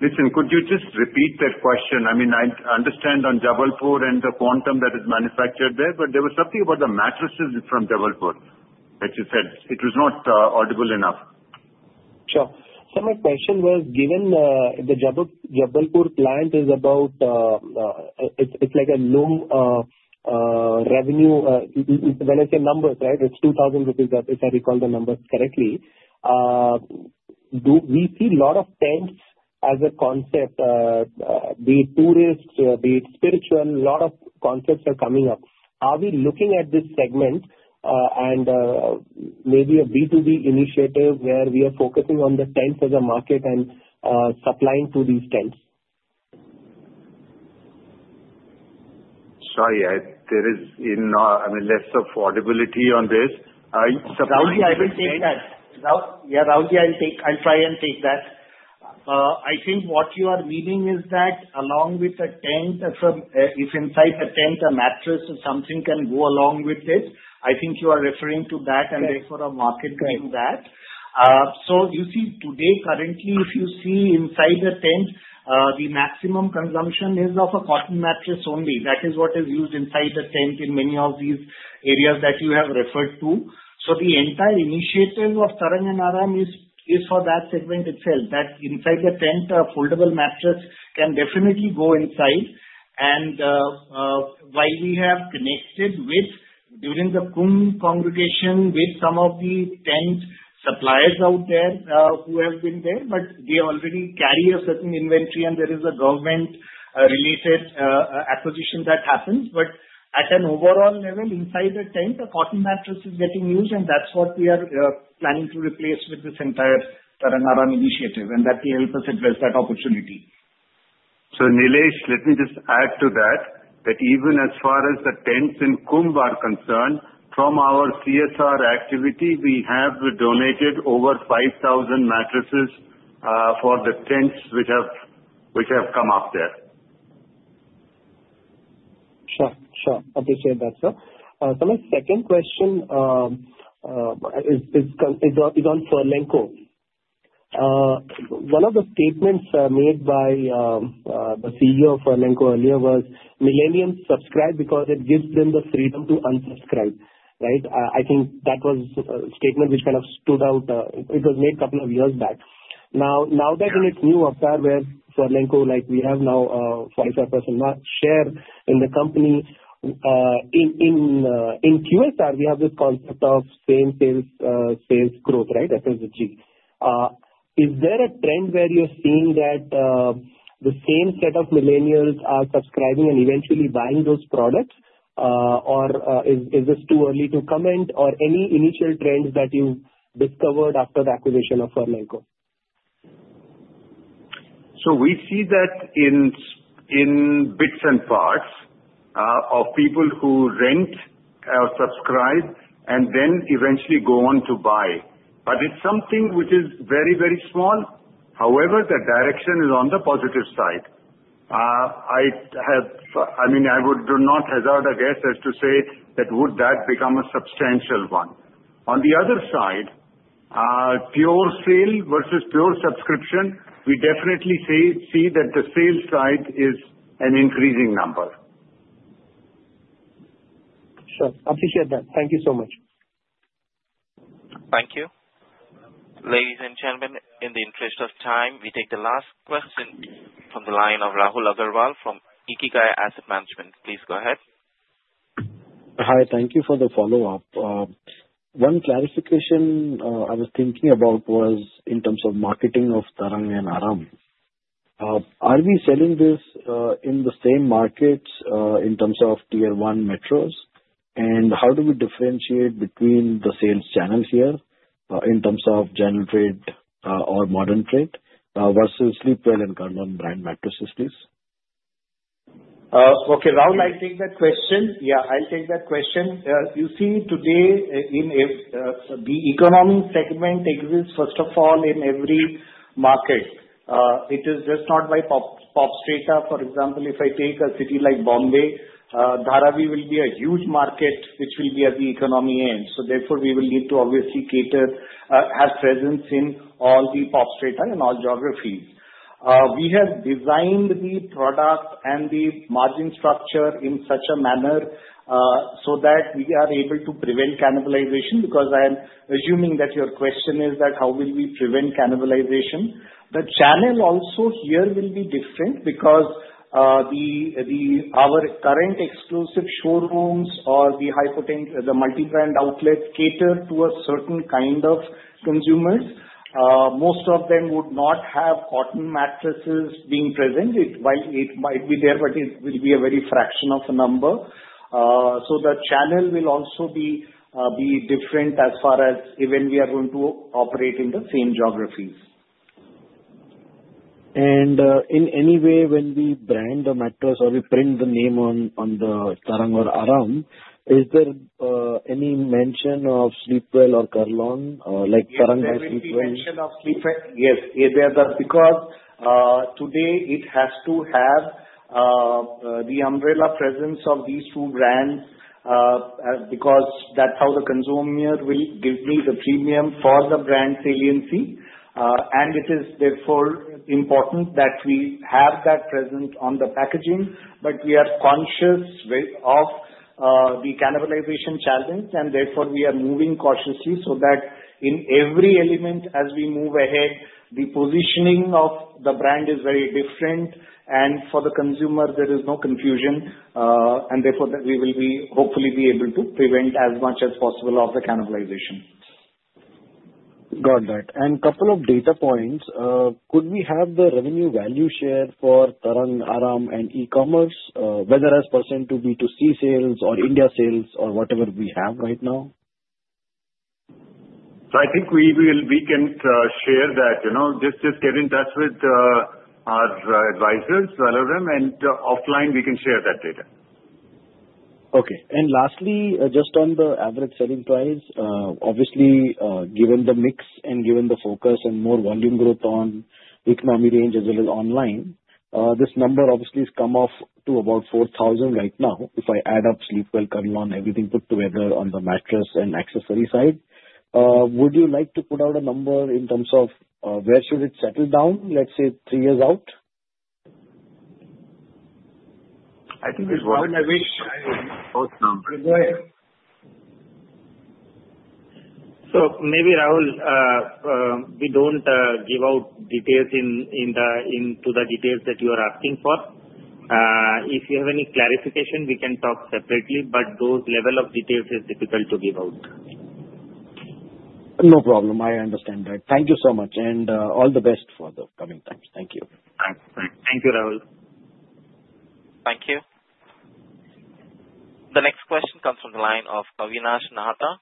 Listen, could you just repeat that question? I mean, I understand on Jabalpur and the quantum that is manufactured there, but there was something about the mattresses from Jabalpur that you said. It was not audible enough. Sure. So my question was, given the Jabalpur plant is about it's like a low revenue, when I say numbers, right, it's 2,000 rupees, if I recall the numbers correctly. We see a lot of tents as a concept, be it tourists, be it spiritual, a lot of concepts are coming up. Are we looking at this segment and maybe a B2B initiative where we are focusing on the tents as a market and supplying to these tents? Sorry, there is less audibility on this. Rahulji, I will take that. Yeah, Rahulji, I'll try and take that. I think what you are meaning is that along with the tent, if inside the tent, a mattress or something can go along with it, I think you are referring to that, and therefore a market doing that. So you see, today, currently, if you see inside the tent, the maximum consumption is of a cotton mattress only. That is what is used inside the tent in many of these areas that you have referred to. So the entire initiative of Tarang and Aaram is for that segment itself, that inside the tent, a foldable mattress can definitely go inside. And while we have connected with during the Kumbh congregation with some of the tent suppliers out there who have been there, but they already carry a certain inventory, and there is a government-related acquisition that happens. At an overall level, inside the tent, a cotton mattress is getting used, and that's what we are planning to replace with this entire Tarang-Aaram initiative, and that will help us address that opportunity. So, Nilesh, let me just add to that, that even as far as the tents in Kumbh are concerned, from our CSR activity, we have donated over 5,000 mattresses for the tents which have come up there. Sure. Sure. Appreciate that, sir. So my second question is on Furlenco. One of the statements made by the CEO of Furlenco earlier was, "Millennials subscribe because it gives them the freedom to unsubscribe," right? I think that was a statement which kind of stood out. It was made a couple of years back. Now that in its new avatar where Furlenco, we have now a 45% share in the company, in QSR, we have this concept of same sales growth, right? That is the G. Is there a trend where you're seeing that the same set of millennials are subscribing and eventually buying those products, or is this too early to comment, or any initial trends that you discovered after the acquisition of Furlenco? So we see that in bits and parts of people who rent or subscribe and then eventually go on to buy. But it's something which is very, very small. However, the direction is on the positive side. I mean, I would not hazard a guess as to say that would become a substantial one. On the other side, pure sale versus pure subscription, we definitely see that the sales side is an increasing number. Sure. Appreciate that. Thank you so much. Thank you. Ladies and gentlemen, in the interest of time, we take the last question from the line of Rahul Agarwal from Ikigai Asset Management. Please go ahead. Hi. Thank you for the follow-up. One clarification I was thinking about was in terms of marketing of Tarang and Aaram. Are we selling this in the same markets in terms of tier one metros, and how do we differentiate between the sales channels here in terms of general trade or modern trade versus Sleepwell and Kurlon brand mattresses, please? Okay. Rahul, I'll take that question. Yeah, I'll take that question. You see, today, the economy segment exists, first of all, in every market. It is just not by pop strata. For example, if I take a city like Mumbai, Dharavi will be a huge market which will be at the economy end. So therefore, we will need to obviously have presence in all the pop strata and all geographies. We have designed the product and the margin structure in such a manner so that we are able to prevent cannibalization because I'm assuming that your question is that how will we prevent cannibalization. The channel also here will be different because our current exclusive showrooms or the multi-brand outlet cater to a certain kind of consumers. Most of them would not have cotton mattresses being present. It might be there, but it will be a very fraction of a number. So the channel will also be different as far as when we are going to operate in the same geographies. In any way, when we brand the mattress or we print the name on the Tarang or Aaram, is there any mention of Sleepwell or Kurlon? Like Tarang and Sleepwell. Yes. There is a mention of Sleepwell. Yes. Because today, it has to have the umbrella presence of these two brands because that's how the consumer will give me the premium for the brand saliency. And it is therefore important that we have that present on the packaging, but we are conscious of the cannibalization challenge, and therefore, we are moving cautiously so that in every element, as we move ahead, the positioning of the brand is very different. And for the consumer, there is no confusion. And therefore, we will hopefully be able to prevent as much as possible of the cannibalization. Got that, and a couple of data points. Could we have the revenue value share for Tarang-Aaram and e-commerce, whether as percent to B2C sales or India sales or whatever we have right now? So I think we can share that. Just get in touch with our advisors, Valorem, and offline, we can share that data. Okay. And lastly, just on the average selling price, obviously, given the mix and given the focus and more volume growth on economy range as well as online, this number obviously has come up to about 4,000 right now if I add up Sleepwell, Kurlon, everything put together on the mattress and accessory side. Would you like to put out a number in terms of where should it settle down, let's say three years out? I think it's worth it. I wish I... Both numbers. Go ahead. So maybe, Rahul, we don't give out details into the details that you are asking for. If you have any clarification, we can talk separately, but those levels of details are difficult to give out. No problem. I understand that. Thank you so much. And all the best for the coming times. Thank you. Thank you, Rahul. Thank you. The next question comes from the line of Avinash Nahata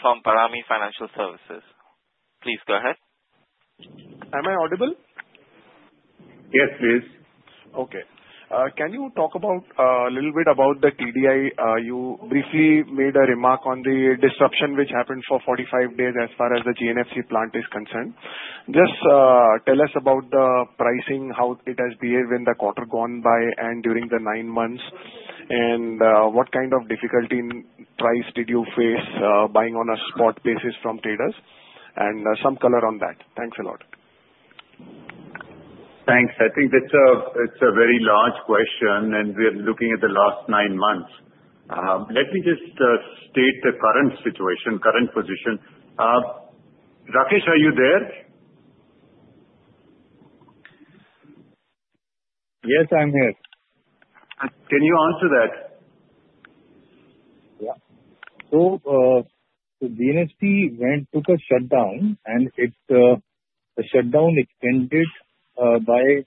from Parami Financial Services. Please go ahead. Am I audible? Yes, please. Okay. Can you talk a little bit about the TDI? You briefly made a remark on the disruption which happened for 45 days as far as the GNFC plant is concerned. Just tell us about the pricing, how it has behaved when the quarter gone by and during the nine months, and what kind of difficulty in price did you face buying on a spot basis from traders? And some color on that. Thanks a lot. Thanks. I think it's a very large question, and we are looking at the last nine months. Let me just state the current situation, current position. Rakesh, are you there? Yes, I'm here. Can you answer that? Yeah. So GNFC took a shutdown, and the shutdown extended by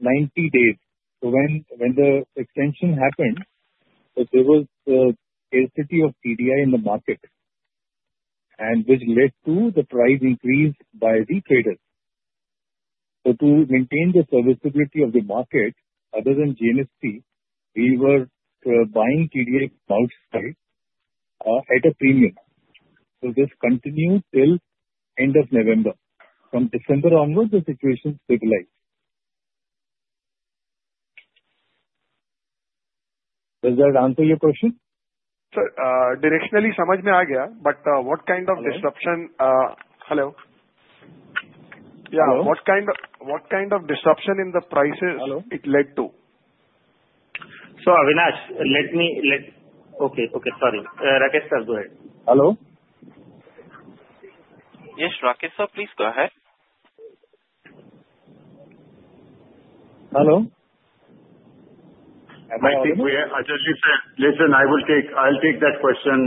90 days. So when the extension happened, there was scarcity of TDI in the market, which led to the price increase by the traders. So to maintain the serviceability of the market, other than GNFC, we were buying TDI outside at a premium. So this continued till end of November. From December onward, the situation stabilized. Does that answer your question? Directionally, I understood, but what kind of disruption? Hello? Yeah. What kind of disruption in the prices it led to? Avinash, let me, okay. Okay. Sorry. Rakesh, sir, go ahead. Hello? Yes, Rakesh, sir. Please go ahead. Hello? I think we are. Listen, I will take that question,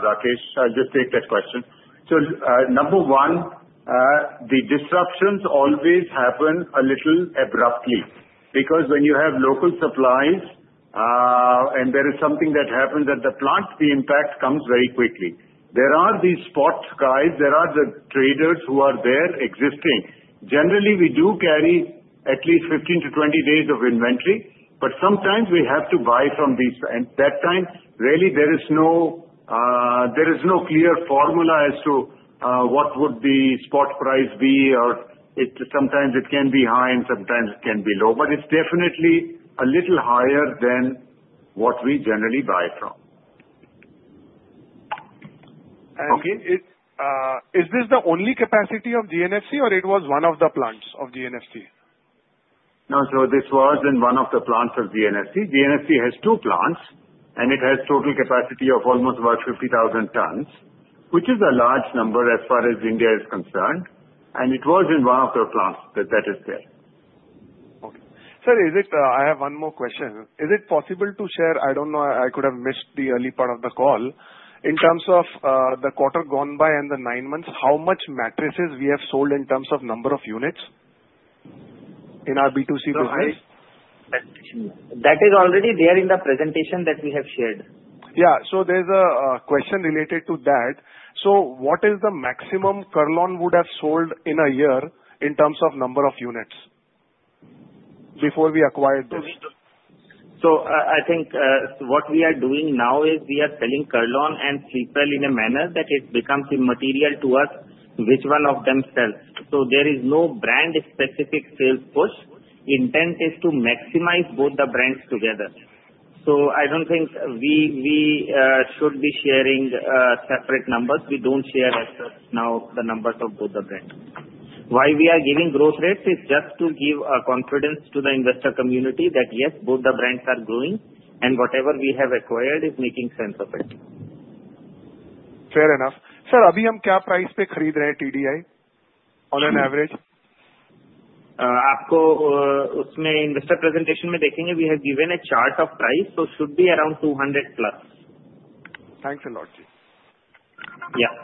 Rakesh. I'll just take that question. So number one, the disruptions always happen a little abruptly because when you have local supplies and there is something that happens at the plant, the impact comes very quickly. There are these spot guys. There are the traders who are there existing. Generally, we do carry at least 15-20 days of inventory, but sometimes we have to buy from these. And that time, really, there is no clear formula as to what would the spot price be. Sometimes it can be high, and sometimes it can be low. But it's definitely a little higher than what we generally buy from. Okay. Is this the only capacity of GNFC, or it was one of the plants of GNFC? No, sir. This was in one of the plants of GNFC. GNFC has two plants, and it has total capacity of almost about 50,000 tons, which is a large number as far as India is concerned, and it was in one of the plants that is there. Okay. I have one more question. Is it possible to share? I don't know. I could have missed the early part of the call. In terms of the quarter gone by and the nine months, how much mattresses we have sold in terms of number of units in our B2C business? That is already there in the presentation that we have shared. Yeah. So there's a question related to that. So what is the maximum Kurlon would have sold in a year in terms of number of units before we acquired this? So I think what we are doing now is we are selling Kurlon and Sleepwell in a manner that it becomes immaterial to us which one of them sells. So there is no brand-specific sales push. The intent is to maximize both the brands together. So I don't think we should be sharing separate numbers. We don't share now the numbers of both the brands. Why we are giving growth rates is just to give confidence to the investor community that, yes, both the brands are growing, and whatever we have acquired is making sense of it. Fair enough. Sir, अभी हम क्या price पे खरीद रहे हैं TDI on an average? आपको उसमें investor presentation में देखेंगे, we have given a chart of price, so it should be around 200+. Thanks a lot, Ji. Yeah.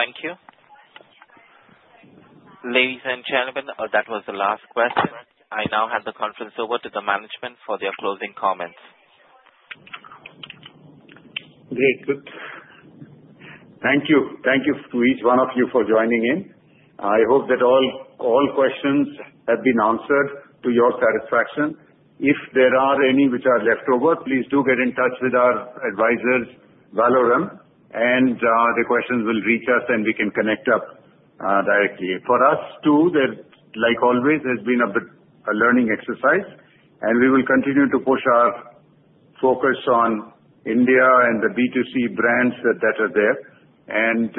Thank you. Ladies and gentlemen, that was the last question. I now hand the conference over to the management for their closing comments. Great. Thank you. Thank you to each one of you for joining in. I hope that all questions have been answered to your satisfaction. If there are any which are left over, please do get in touch with our advisors, Valorem, and the questions will reach us, and we can connect up directly. For us too, like always, it has been a learning exercise, and we will continue to push our focus on India and the B2C brands that are there and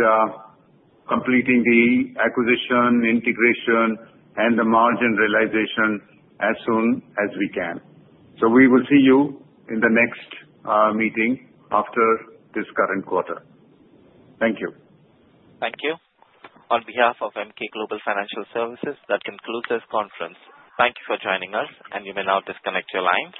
completing the acquisition, integration, and the margin realization as soon as we can. So we will see you in the next meeting after this current quarter. Thank you. Thank you. On behalf of Emkay Global Financial Services, that concludes this conference. Thank you for joining us, and you may now disconnect your lines.